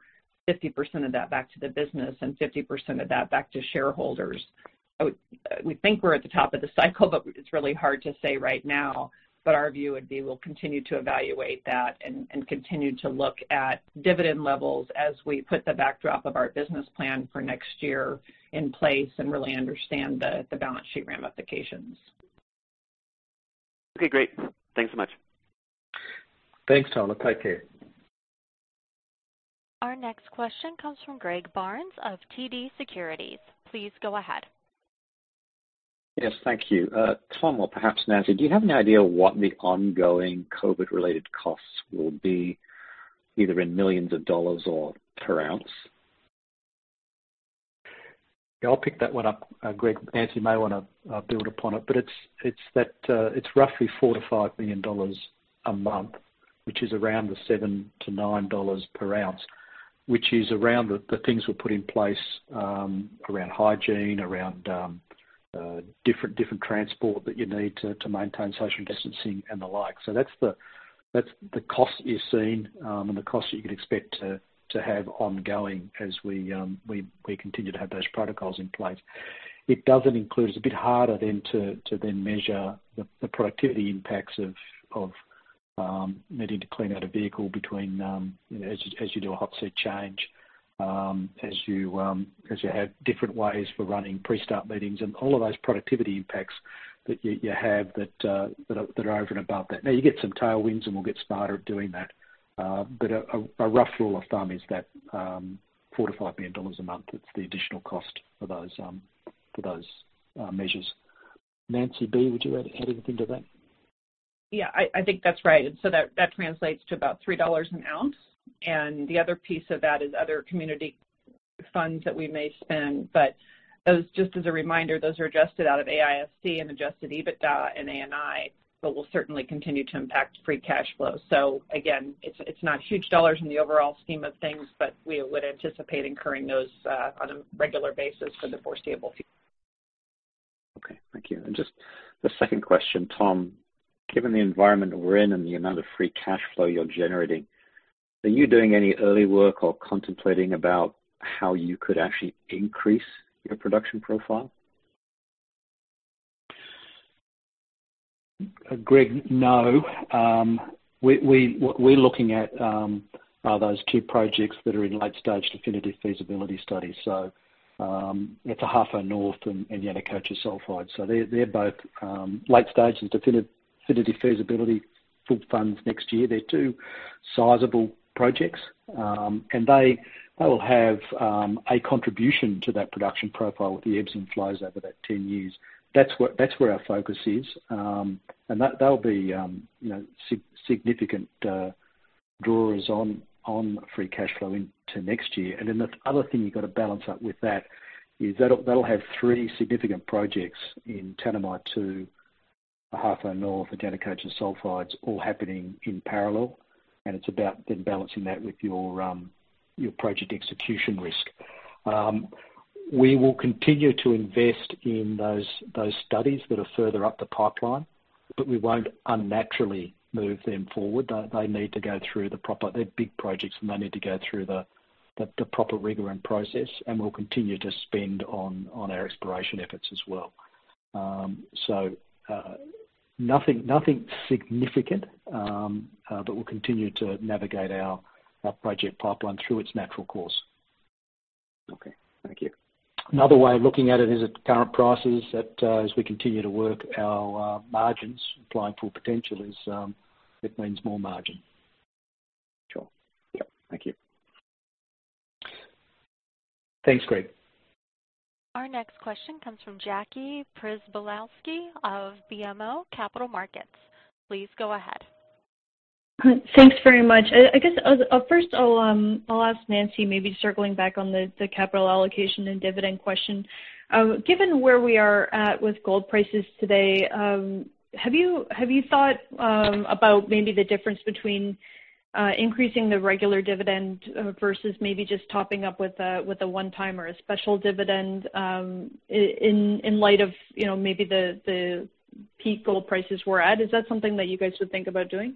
S5: 50% of that back to the business and 50% of that back to shareholders. We think we're at the top of the cycle, but it's really hard to say right now, but our view would be we'll continue to evaluate that and continue to look at dividend levels as we put the backdrop of our business plan for next year in place and really understand the balance sheet ramifications.
S6: Okay, great. Thanks so much.
S3: Thanks, Tyler. Take care.
S1: Our next question comes from Greg Barnes of TD Securities. Please go ahead.
S7: Yes, thank you. Tom, or perhaps Nancy, do you have any idea what the ongoing COVID-related costs will be, either in millions of dollars or per ounce?
S3: Yeah, I'll pick that one up, Greg. Nancy may want to build upon it, but it's roughly $4 million-$5 million a month, which is around the $7-$9 per ounce, which is around the things we put in place around hygiene, around different transport that you need to maintain social distancing and the like. That's the cost you're seeing, and the cost you could expect to have ongoing as we continue to have those protocols in place. It doesn't include, it's a bit harder then to then measure the productivity impacts of needing to clean out a vehicle between, as you do a hot seat change, as you have different ways for running pre-start meetings and all of those productivity impacts that you have that are over and above that. Now you get some tailwinds, and we'll get smarter at doing that. A rough rule of thumb is that $4 million-$5 million a month, it's the additional cost for those measures. Nancy Buese, would you add anything to that?
S5: Yeah, I think that's right. That translates to about $3 an ounce. The other piece of that is other community funds that we may spend. Those, just as a reminder, those are adjusted out of AISC and adjusted EBITDA and ANI, but will certainly continue to impact free cash flow. Again, it's not huge dollars in the overall scheme of things, but we would anticipate incurring those on a regular basis for the foreseeable future.
S7: Okay, thank you. Just the second question, Tom, given the environment we're in and the amount of free cash flow you're generating, are you doing any early work or contemplating about how you could actually increase your production profile?
S3: Greg, no. We're looking at those two projects that are in late-stage definitive feasibility studies. It's Ahafo North and Yanacocha Sulphide. They're both late-stage and definitive feasibility. Full funds next year. They're two sizable projects. They will have a contribution to that production profile with the ebbs and flows over that 10 years. That's where our focus is. That'll be significant drawers on free cash flow into next year. The other thing you've got to balance up with that is that'll have three significant projects in Tanami 2, Ahafo North, and Yanacocha Sulphide, all happening in parallel. It's about then balancing that with your project execution risk. We will continue to invest in those studies that are further up the pipeline, we won't unnaturally move them forward. They're big projects, and they need to go through the proper rigor and process, and we'll continue to spend on our exploration efforts as well. Nothing significant, but we'll continue to navigate our project pipeline through its natural course.
S7: Okay. Thank you.
S3: Another way of looking at it is at current prices, that as we continue to work our margins, applying Full Potential, it means more margin.
S7: Sure. Yep. Thank you.
S3: Thanks, Greg.
S1: Our next question comes from Jackie Przybylowski of BMO Capital Markets. Please go ahead.
S8: Thanks very much. I guess, first, I'll ask Nancy, maybe circling back on the capital allocation and dividend question. Given where we are at with gold prices today, have you thought about maybe the difference between increasing the regular dividend versus maybe just topping up with a one-time or a special dividend in light of maybe the peak gold prices we're at? Is that something that you guys would think about doing?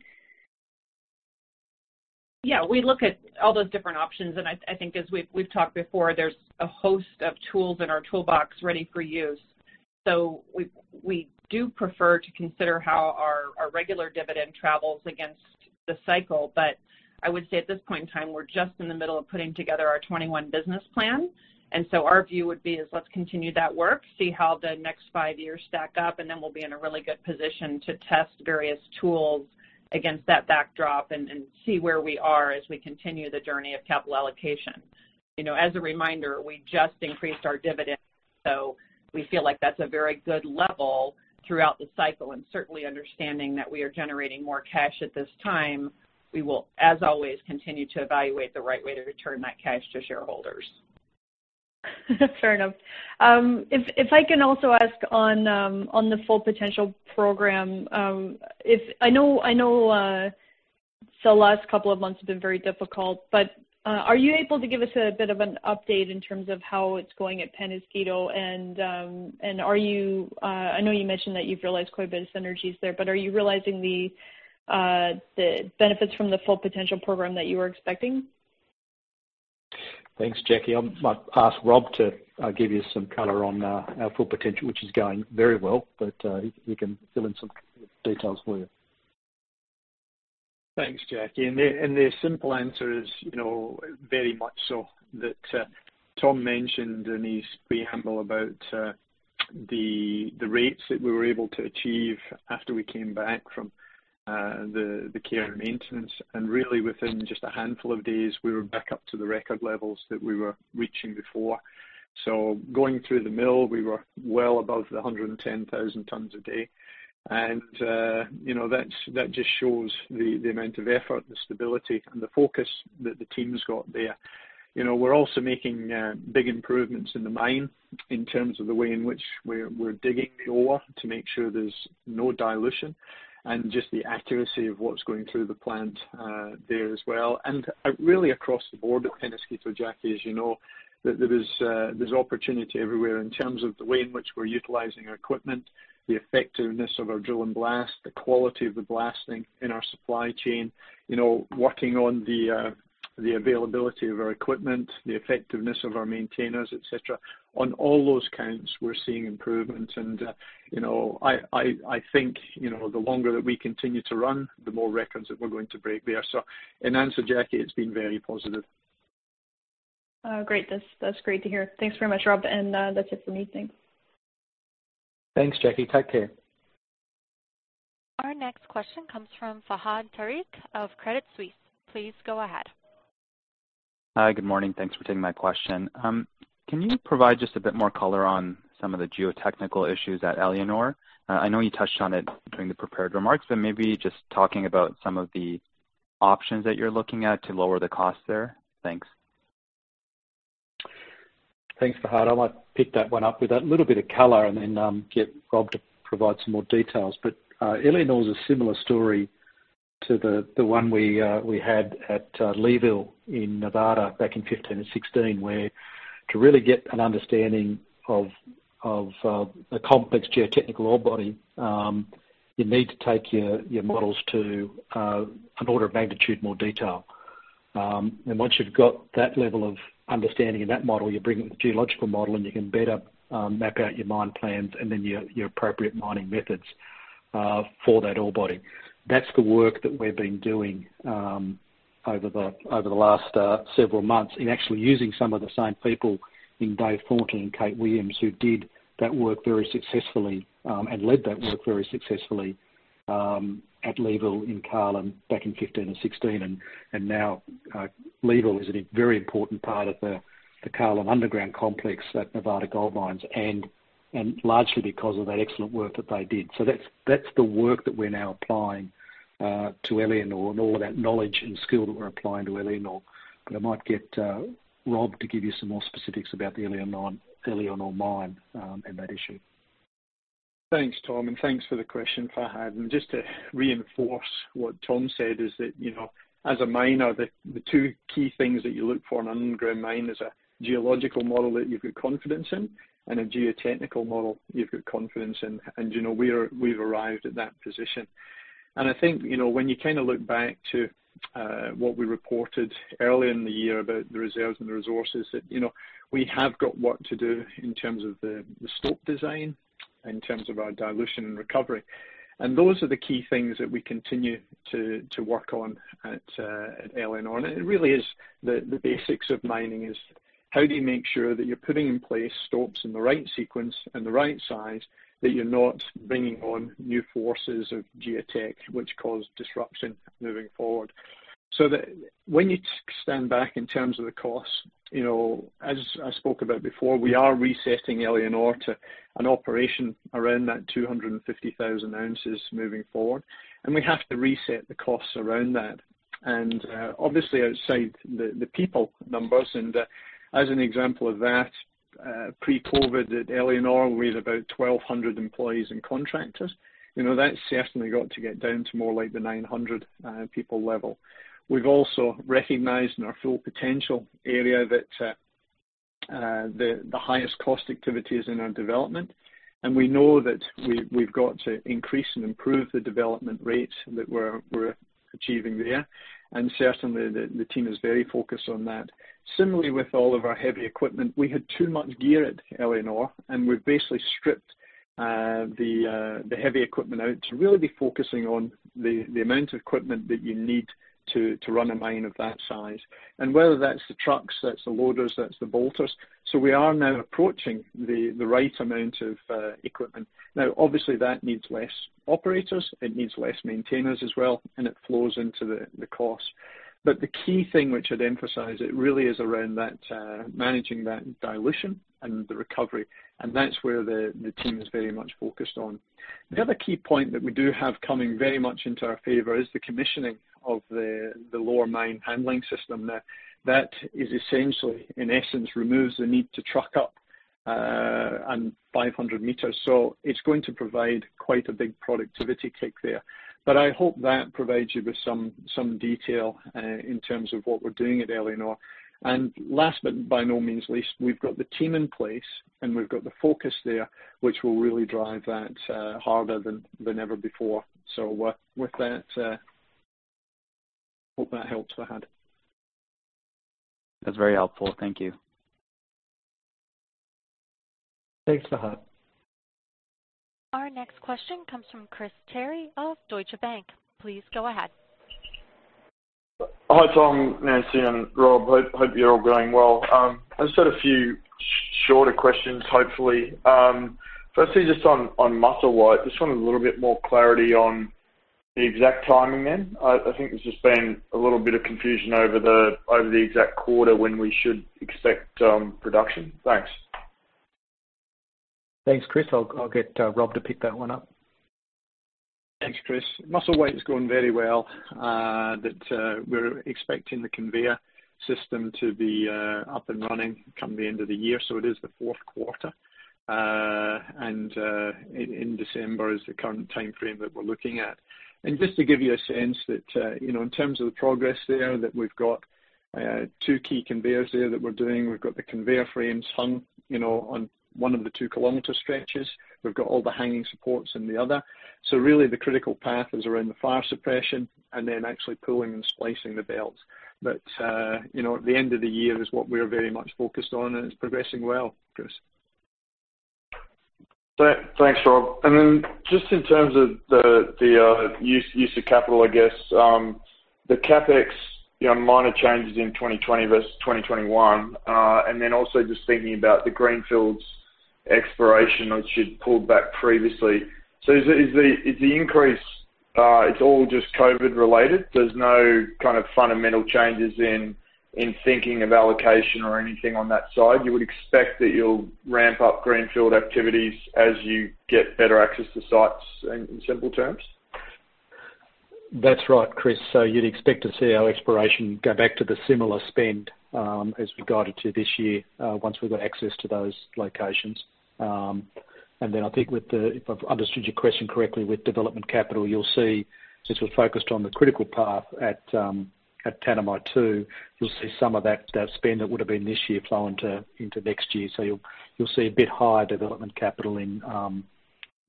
S5: We look at all those different options, and I think as we've talked before, there's a host of tools in our toolbox ready for use. I would say at this point in time, we're just in the middle of putting together our 2021 business plan. Our view would be is let's continue that work, see how the next five years stack up, and then we'll be in a really good position to test various tools against that backdrop and see where we are as we continue the journey of capital allocation. As a reminder, we just increased our dividend, so we feel like that's a very good level throughout the cycle, and certainly understanding that we are generating more cash at this time. We will, as always, continue to evaluate the right way to return that cash to shareholders.
S8: Fair enough. If I can also ask on the Full Potential program. I know the last couple of months have been very difficult, are you able to give us a bit of an update in terms of how it's going at Peñasquito? I know you mentioned that you've realized quite a bit of synergies there, are you realizing the benefits from the Full Potential program that you were expecting?
S3: Thanks, Jackie. I might ask Rob to give you some color on our Full Potential, which is going very well, but he can fill in some details for you.
S4: Thanks, Jackie, the simple answer is very much so. Tom mentioned in his preamble about the rates that we were able to achieve after we came back from the care and maintenance, and really within just a handful of days, we were back up to the record levels that we were reaching before. Going through the mill, we were well above the 110,000 tons a day, and that just shows the amount of effort, the stability, and the focus that the team's got there. We're also making big improvements in the mine in terms of the way in which we're digging the ore to make sure there's no dilution and just the accuracy of what's going through the plant there as well. Really across the board at Peñasquito, Jackie, as you know, there's opportunity everywhere in terms of the way in which we're utilizing our equipment, the effectiveness of our drill and blast, the quality of the blasting in our supply chain, working on the availability of our equipment, the effectiveness of our maintainers, et cetera. On all those counts, we're seeing improvement, and I think the longer that we continue to run, the more records that we're going to break there. In answer, Jackie, it's been very positive.
S8: Oh, great. That's great to hear. Thanks very much, Rob. That's it for me. Thanks.
S3: Thanks, Jackie. Take care.
S1: Our next question comes from Fahad Tariq of Credit Suisse. Please go ahead.
S9: Hi. Good morning. Thanks for taking my question. Can you provide just a bit more color on some of the geotechnical issues at Éléonore? I know you touched on it during the prepared remarks, but maybe just talking about some of the options that you're looking at to lower the cost there. Thanks.
S3: Thanks, Fahad. I might pick that one up with a little bit of color and then get Rob to provide some more details. Éléonore's a similar story to the one we had at Leeville in Nevada back in 2015 and 2016, where to really get an understanding of a complex geotechnical ore body, you need to take your models to an order of magnitude more detail. Once you've got that level of understanding in that model, you bring in the geological model, and you can better map out your mine plans and then your appropriate mining methods for that ore body. That's the work that we've been doing over the last several months in actually using some of the same people in Dave Thornton and Kate Williams, who did that work very successfully, and led that work very successfully, at Leeville in Carlin back in 2015 and 2016. Now Leeville is a very important part of the Carlin Underground Complex at Nevada Gold Mines and largely because of that excellent work that they did. That's the work that we're now applying to Éléonore and all of that knowledge and skill that we're applying to Éléonore. I might get Rob to give you some more specifics about the Éléonore mine and that issue.
S4: Thanks, Tom, and thanks for the question, Fahad. Just to reinforce what Tom said, is that as a miner, the two key things that you look for in an underground mine is a geological model that you've got confidence in and a geotechnical model you've got confidence in, and we've arrived at that position. I think, when you look back to what we reported earlier in the year about the reserves and the resources, that we have got work to do in terms of the stope design, in terms of our dilution and recovery. Those are the key things that we continue to work on at Éléonore. It really is the basics of mining is. How do you make sure that you're putting in place stopes in the right sequence and the right size, that you're not bringing on new forces of geotech which cause disruption moving forward? When you stand back in terms of the costs, as I spoke about before, we are resetting Éléonore to an operation around that 250,000 ounces moving forward. We have to reset the costs around that. Obviously outside the people numbers, and as an example of that, pre-COVID at Éléonore, we had about 1,200 employees and contractors. That's certainly got to get down to more like the 900 people level. We've also recognized in our Full Potential area that the highest cost activity is in our development. We know that we've got to increase and improve the development rates that we're achieving there. Certainly, the team is very focused on that. Similarly, with all of our heavy equipment, we had too much gear at Éléonore, and we've basically stripped the heavy equipment out to really be focusing on the amount of equipment that you need to run a mine of that size. Whether that's the trucks, that's the loaders, that's the bolters. We are now approaching the right amount of equipment. Now, obviously that needs less operators. It needs less maintainers as well, and it flows into the cost. The key thing which I'd emphasize, it really is around managing that dilution and the recovery. That's where the team is very much focused on. The other key point that we do have coming very much into our favor is the commissioning of the lower mine handling system there. That is essentially, in essence, removes the need to truck up on 500 meters. It's going to provide quite a big productivity kick there. I hope that provides you with some detail in terms of what we're doing at Éléonore. Last, but by no means least, we've got the team in place and we've got the focus there, which will really drive that harder than ever before. With that, hope that helps, Fahad.
S9: That's very helpful. Thank you.
S4: Thanks, Fahad.
S1: Our next question comes from Chris Terry of Deutsche Bank. Please go ahead.
S10: Hi, Tom, Nancy, and Rob. Hope you're all going well. I just had a few shorter questions, hopefully. Just on Musselwhite. Just wanted a little bit more clarity on the exact timing then. I think there's just been a little bit of confusion over the exact quarter when we should expect production. Thanks.
S3: Thanks, Chris. I'll get Rob to pick that one up.
S4: Thanks, Chris. Musselwhite is going very well. We're expecting the conveyor system to be up and running come the end of the year. It is the fourth quarter. In December is the current timeframe that we're looking at. Just to give you a sense that, in terms of the progress there, that we've got two key conveyors there that we're doing. We've got the conveyor frames hung on one of the 2 km stretches. We've got all the hanging supports in the other. Really the critical path is around the fire suppression and then actually pulling and splicing the belts. At the end of the year is what we're very much focused on, and it's progressing well, Chris.
S10: Thanks, Rob. Then just in terms of the use of capital, I guess, the CapEx, minor changes in 2020 versus 2021. Then also just thinking about the greenfields exploration, which you'd pulled back previously. Is the increase, it's all just COVID related? There's no kind of fundamental changes in thinking of allocation or anything on that side? You would expect that you'll ramp up greenfield activities as you get better access to sites, in simple terms?
S3: That's right, Chris. You'd expect to see our exploration go back to the similar spend, as regarded to this year, once we've got access to those locations. I think, if I've understood your question correctly, with development capital, you'll see, since we're focused on the critical path at Tanami Two, you'll see some of that spend that would've been this year flow into next year. You'll see a bit higher development capital in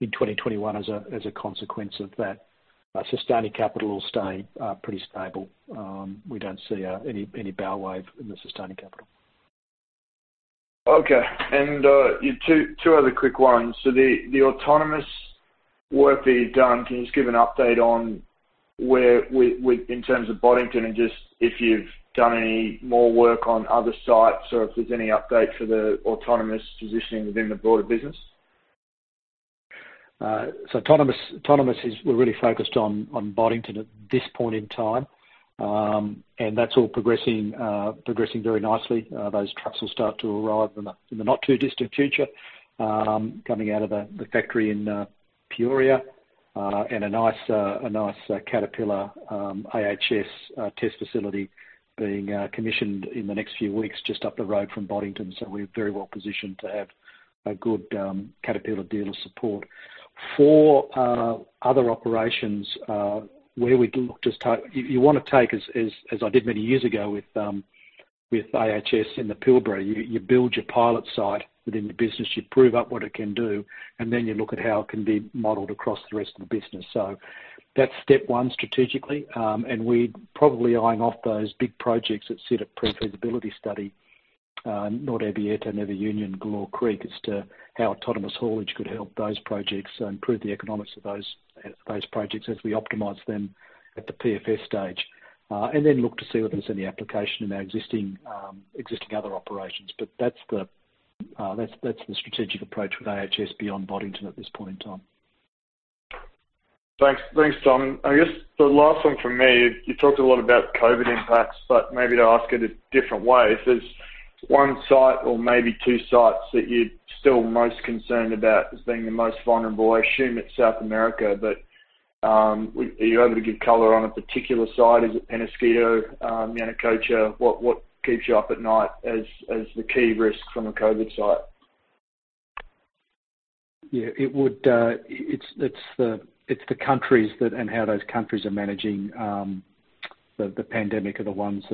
S3: 2021 as a consequence of that. Sustaining capital will stay pretty stable. We don't see any bow wave in the sustaining capital.
S10: Okay. Two other quick ones. The autonomous work that you've done. Can you just give an update on where, in terms of Boddington and just if you've done any more work on other sites or if there's any update for the autonomous positioning within the broader business?
S3: Autonomous, we're really focused on Boddington at this point in time. That's all progressing very nicely. Those trucks will start to arrive in the not too distant future, coming out of the factory in Peoria, and a nice Caterpillar AHS test facility being commissioned in the next few weeks, just up the road from Boddington. We are very well positioned to have a good Caterpillar dealer support. For other operations, you want to take, as I did many years ago with AHS in the Pilbara. You build your pilot site within the business, you prove up what it can do, then you look at how it can be modeled across the rest of the business. That's step one strategically. We're probably eyeing off those big projects that sit at pre-feasibility study, Norte Abierto, NuevaUnión, Galore Creek, as to how autonomous haulage could help those projects, improve the economics of those projects as we optimize them at the PFS stage. Then look to see whether there's any application in our existing other operations. That's the strategic approach with AHS beyond Boddington at this point in time.
S10: Thanks, Tom. I guess the last one from me, you talked a lot about COVID impacts, but maybe to ask it a different way, if there's one site or maybe two sites that you're still most concerned about as being the most vulnerable, I assume it's South America, but are you able to give color on a particular site? Is it Peñasquito, Yanacocha? What keeps you up at night as the key risk from a COVID site?
S3: Yeah. It's the countries and how those countries are managing the pandemic are the ones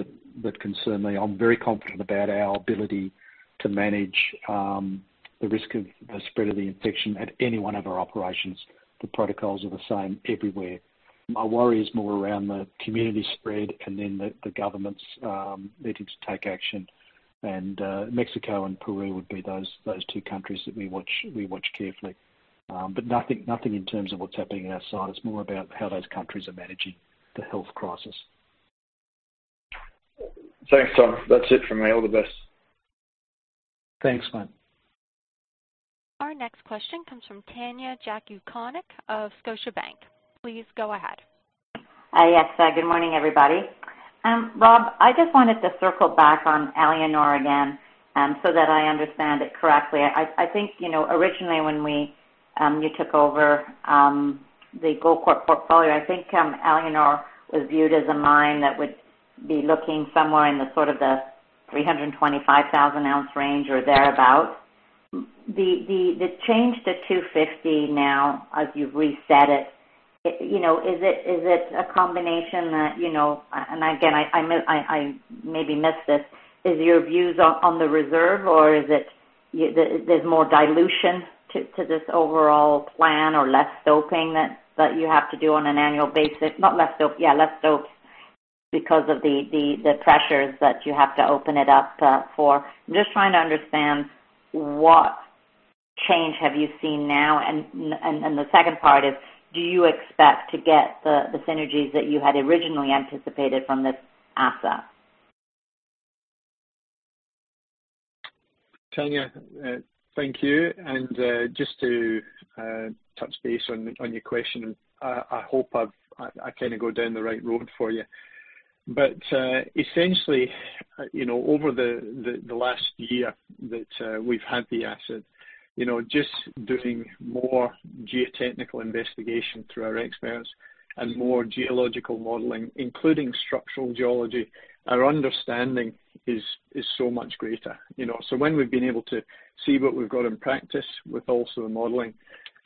S3: that concern me. I'm very confident about our ability to manage the risk of the spread of the infection at any one of our operations. The protocols are the same everywhere. My worry is more around the community spread and then the governments needing to take action. Mexico and Peru would be those two countries that we watch carefully. Nothing in terms of what's happening at our site. It's more about how those countries are managing the health crisis.
S10: Thanks, Tom. That's it from me. All the best.
S3: Thanks, Chris.
S1: Our next question comes from Tanya Jakusconek of Scotiabank. Please go ahead.
S11: Yes. Good morning, everybody. Rob, I just wanted to circle back on Éléonore again so that I understand it correctly. I think, originally when you took over the Goldcorp portfolio, I think Éléonore was viewed as a mine that would be looking somewhere in the sort of the 325,000-ounce range or thereabout. The change to 250 now, as you've reset it, is it a combination that, and again, I maybe missed this, is your views on the reserve or is it there's more dilution to this overall plan or less stoping that you have to do on an annual basis? Not less stope. Yeah, less stope because of the pressures that you have to open it up for. I'm just trying to understand what change have you seen now and, the second part is, do you expect to get the synergies that you had originally anticipated from this asset?
S4: Tanya, thank you. Just to touch base on your question, I hope I kind of go down the right road for you. Essentially, over the last year that we've had the asset, just doing more geotechnical investigation through our experts and more geological modeling, including structural geology, our understanding is so much greater. When we've been able to see what we've got in practice with also the modeling,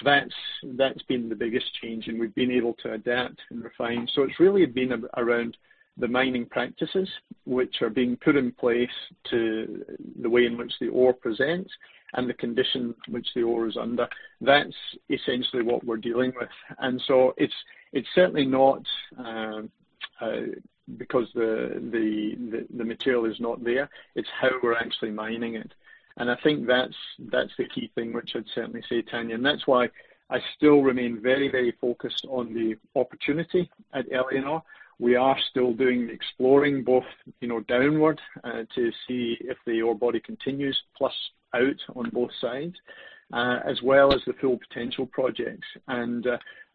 S4: that's been the biggest change and we've been able to adapt and refine. It's really been around the mining practices, which are being put in place to the way in which the ore presents and the condition which the ore is under. That's essentially what we're dealing with. It's certainly not because the material is not there, it's how we're actually mining it. I think that's the key thing, which I'd certainly say, Tanya, that's why I still remain very focused on the opportunity at Éléonore. We are still doing exploring both downward to see if the ore body continues, plus out on both sides, as well as the Full Potential projects.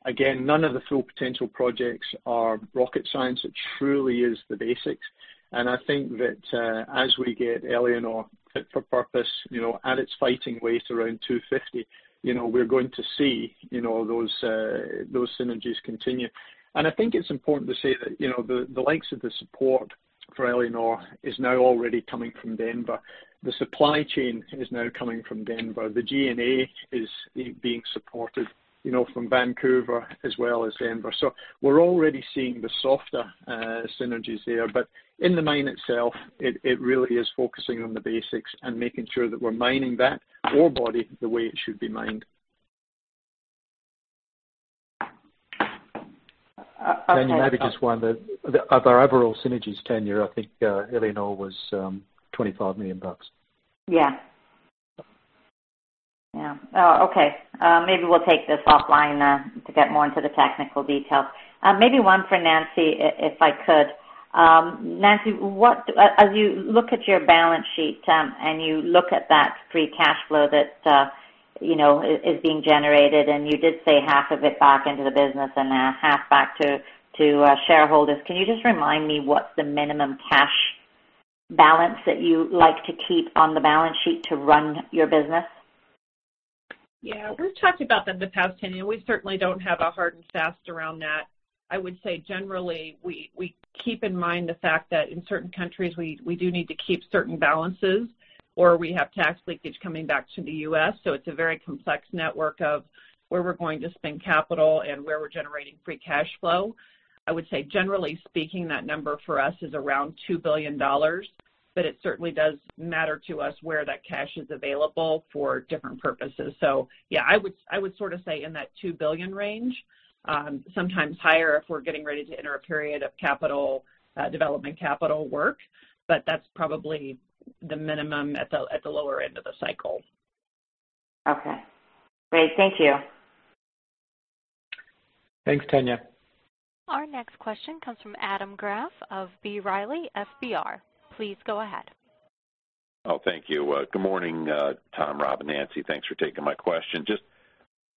S4: Again, none of the Full Potential projects are rocket science. It truly is the basics. I think that as we get Éléonore fit for purpose, at its fighting weight around 250, we're going to see those synergies continue. I think it's important to say that the likes of the support for Éléonore is now already coming from Denver. The supply chain is now coming from Denver. The G&A is being supported from Vancouver as well as Denver. We're already seeing the softer synergies there. In the mine itself, it really is focusing on the basics and making sure that we're mining that ore body the way it should be mined.
S3: Tanya, maybe just one. Of our overall synergies, Tanya, I think Éléonore was $25 million.
S11: Yeah. Oh, okay. Maybe we'll take this offline to get more into the technical details. Maybe one for Nancy, if I could. Nancy, as you look at your balance sheet, and you look at that free cash flow that is being generated, and you did say half of it back into the business and half back to shareholders, can you just remind me what's the minimum cash balance that you like to keep on the balance sheet to run your business?
S5: Yeah. We've talked about that in the past, Tanya. We certainly don't have a hard and fast around that. I would say, generally, we keep in mind the fact that in certain countries, we do need to keep certain balances, or we have tax leakage coming back to the U.S., it's a very complex network of where we're going to spend capital and where we're generating free cash flow. I would say, generally speaking, that number for us is around $2 billion, but it certainly does matter to us where that cash is available for different purposes. Yeah, I would sort of say in that $2 billion range. Sometimes higher if we're getting ready to enter a period of development capital work, but that's probably the minimum at the lower end of the cycle.
S11: Okay. Great. Thank you.
S3: Thanks, Tanya.
S1: Our next question comes from Adam Graf of B. Riley FBR. Please go ahead.
S12: Thank you. Good morning, Tom, Rob, and Nancy. Thanks for taking my question. Just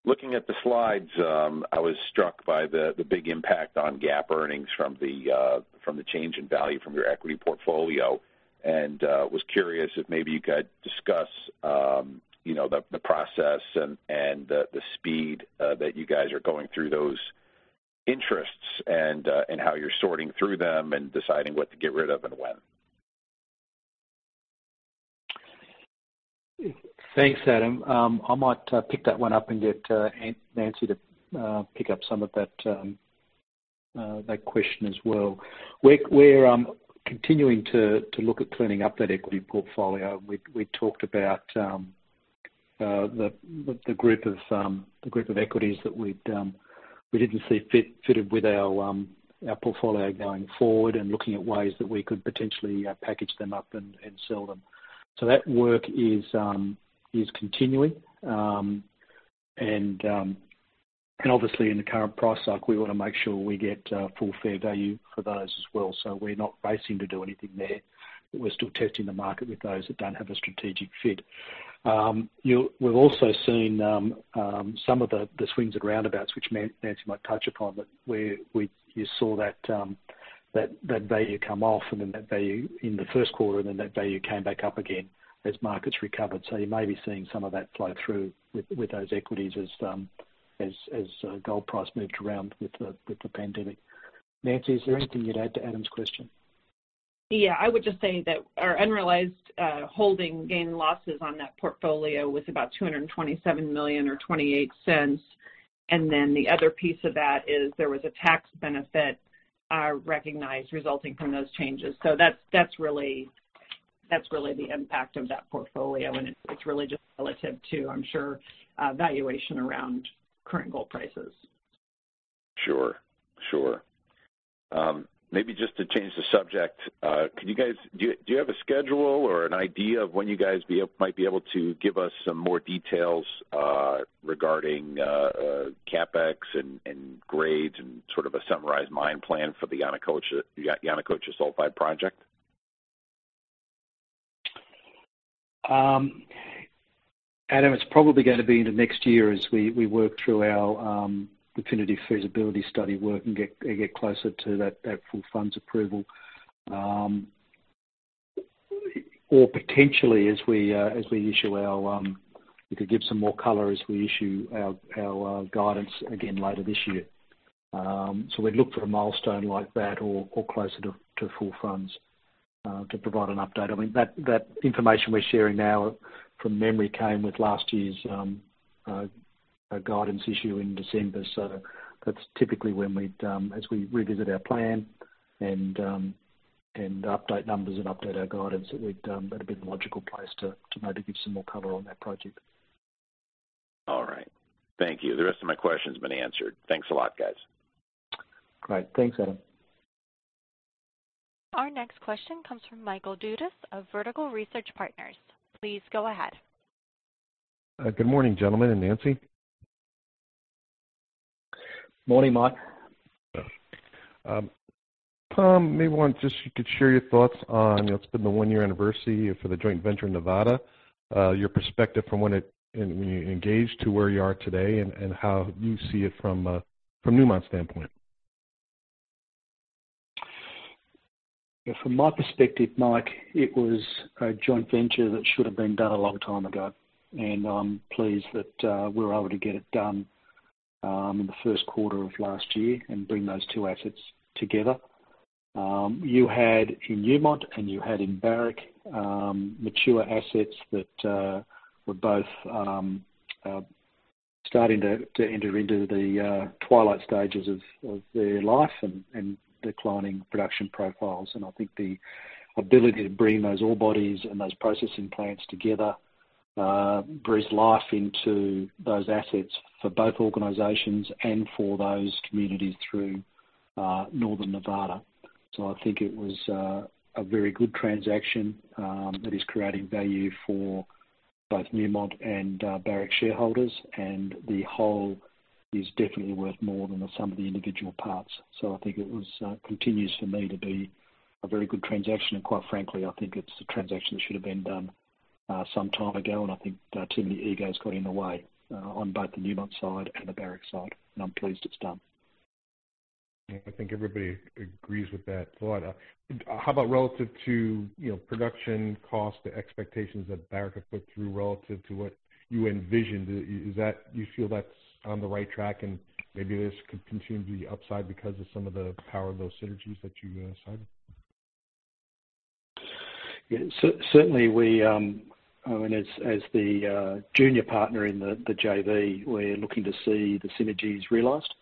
S12: looking at the slides, I was struck by the big impact on GAAP earnings from the change in value from your equity portfolio and was curious if maybe you could discuss the process and the speed that you guys are going through those interests and how you're sorting through them and deciding what to get rid of and when.
S3: Thanks, Adam. I might pick that one up and get Nancy to pick up some of that question as well. We're continuing to look at cleaning up that equity portfolio. We talked about the group of equities that we didn't see fitted with our portfolio going forward and looking at ways that we could potentially package them up and sell them. That work is continuing. Obviously in the current price cycle, we want to make sure we get full fair value for those as well. We're not racing to do anything there, but we're still testing the market with those that don't have a strategic fit. We've also seen some of the swings at roundabouts, which Nancy might touch upon, where you saw that value come off and then that value in the first quarter, and then that value came back up again as markets recovered. You may be seeing some of that flow through with those equities as gold price moved around with the pandemic. Nancy, is there anything you'd add to Adam's question?
S5: I would just say that our unrealized holding gain losses on that portfolio was about $227 million or $0.28. The other piece of that is there was a tax benefit recognized resulting from those changes. That's really the impact of that portfolio, and it's really just relative to, I'm sure, valuation around current gold prices.
S12: Sure. Maybe just to change the subject, do you have a schedule or an idea of when you guys might be able to give us some more details regarding CapEx and grades and sort of a summarized mine plan for the Yanacocha sulfide project?
S3: Adam, it's probably going to be into next year as we work through our definitive feasibility study work and get closer to that full funds approval. Potentially, we could give some more color as we issue our guidance again later this year. We'd look for a milestone like that or closer to full funds, to provide an update. That information we're sharing now, from memory, came with last year's guidance issue in December. That's typically as we revisit our plan and update numbers and update our guidance, that'd be the logical place to maybe give some more color on that project.
S12: All right. Thank you. The rest of my question's been answered. Thanks a lot, guys.
S3: Great. Thanks, Adam.
S1: Our next question comes from Michael Dudas of Vertical Research Partners. Please go ahead.
S13: Good morning, gentlemen and Nancy.
S3: Morning, Mike.
S13: Tom, maybe wonder if just you could share your thoughts on, it's been the one-year anniversary for the joint venture in Nevada, your perspective from when you engaged to where you are today and how you see it from Newmont's standpoint?
S3: From my perspective, Mike, it was a joint venture that should have been done a long time ago, and I'm pleased that we were able to get it done in the first quarter of last year and bring those two assets together. You had in Newmont and you had in Barrick, mature assets that were both starting to enter into the twilight stages of their life and declining production profiles. I think the ability to bring those ore bodies and those processing plants together breathes life into those assets for both organizations and for those communities through northern Nevada. I think it was a very good transaction that is creating value for both Newmont and Barrick shareholders, and the whole is definitely worth more than the sum of the individual parts. I think it continues for me to be a very good transaction, and quite frankly, I think it's a transaction that should have been done some time ago, and I think too many egos got in the way on both the Newmont side and the Barrick side, and I'm pleased it's done.
S13: I think everybody agrees with that thought. How about relative to production cost expectations that Barrick have put through relative to what you envisioned? Do you feel that is on the right track and maybe this could continue to be upside because of some of the power of those synergies that you cited?
S3: Yes. Certainly, as the junior partner in the JV, we're looking to see the synergies realized.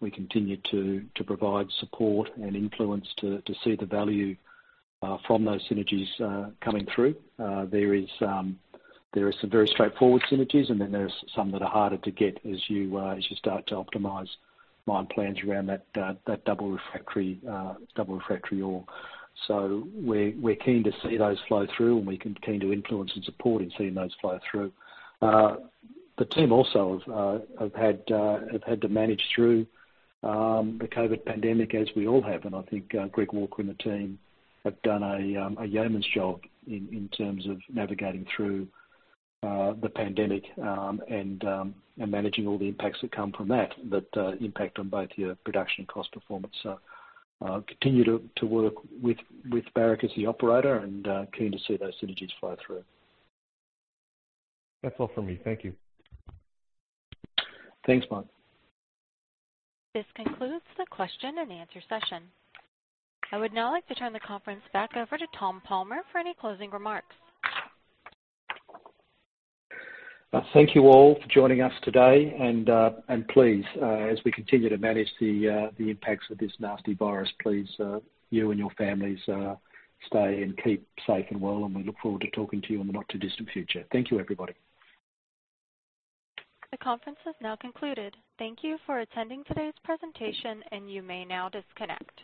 S3: We continue to provide support and influence to see the value from those synergies coming through. There is some very straightforward synergies, and then there are some that are harder to get as you start to optimize mine plans around that double refractory ore. We're keen to see those flow through, and we continue to influence and support in seeing those flow through. The team also have had to manage through the COVID pandemic, as we all have, and I think Greg Walker and the team have done a yeoman's job in terms of navigating through the pandemic and managing all the impacts that come from that impact on both your production and cost performance. Continue to work with Barrick as the operator and keen to see those synergies flow through.
S13: That's all for me. Thank you.
S3: Thanks, Mike.
S1: This concludes the question and answer session. I would now like to turn the conference back over to Tom Palmer for any closing remarks.
S3: Thank you all for joining us today. Please, as we continue to manage the impacts of this nasty virus, please, you and your families stay and keep safe and well, and we look forward to talking to you in the not-too-distant future. Thank you, everybody.
S1: The conference has now concluded. Thank you for attending today's presentation. You may now disconnect.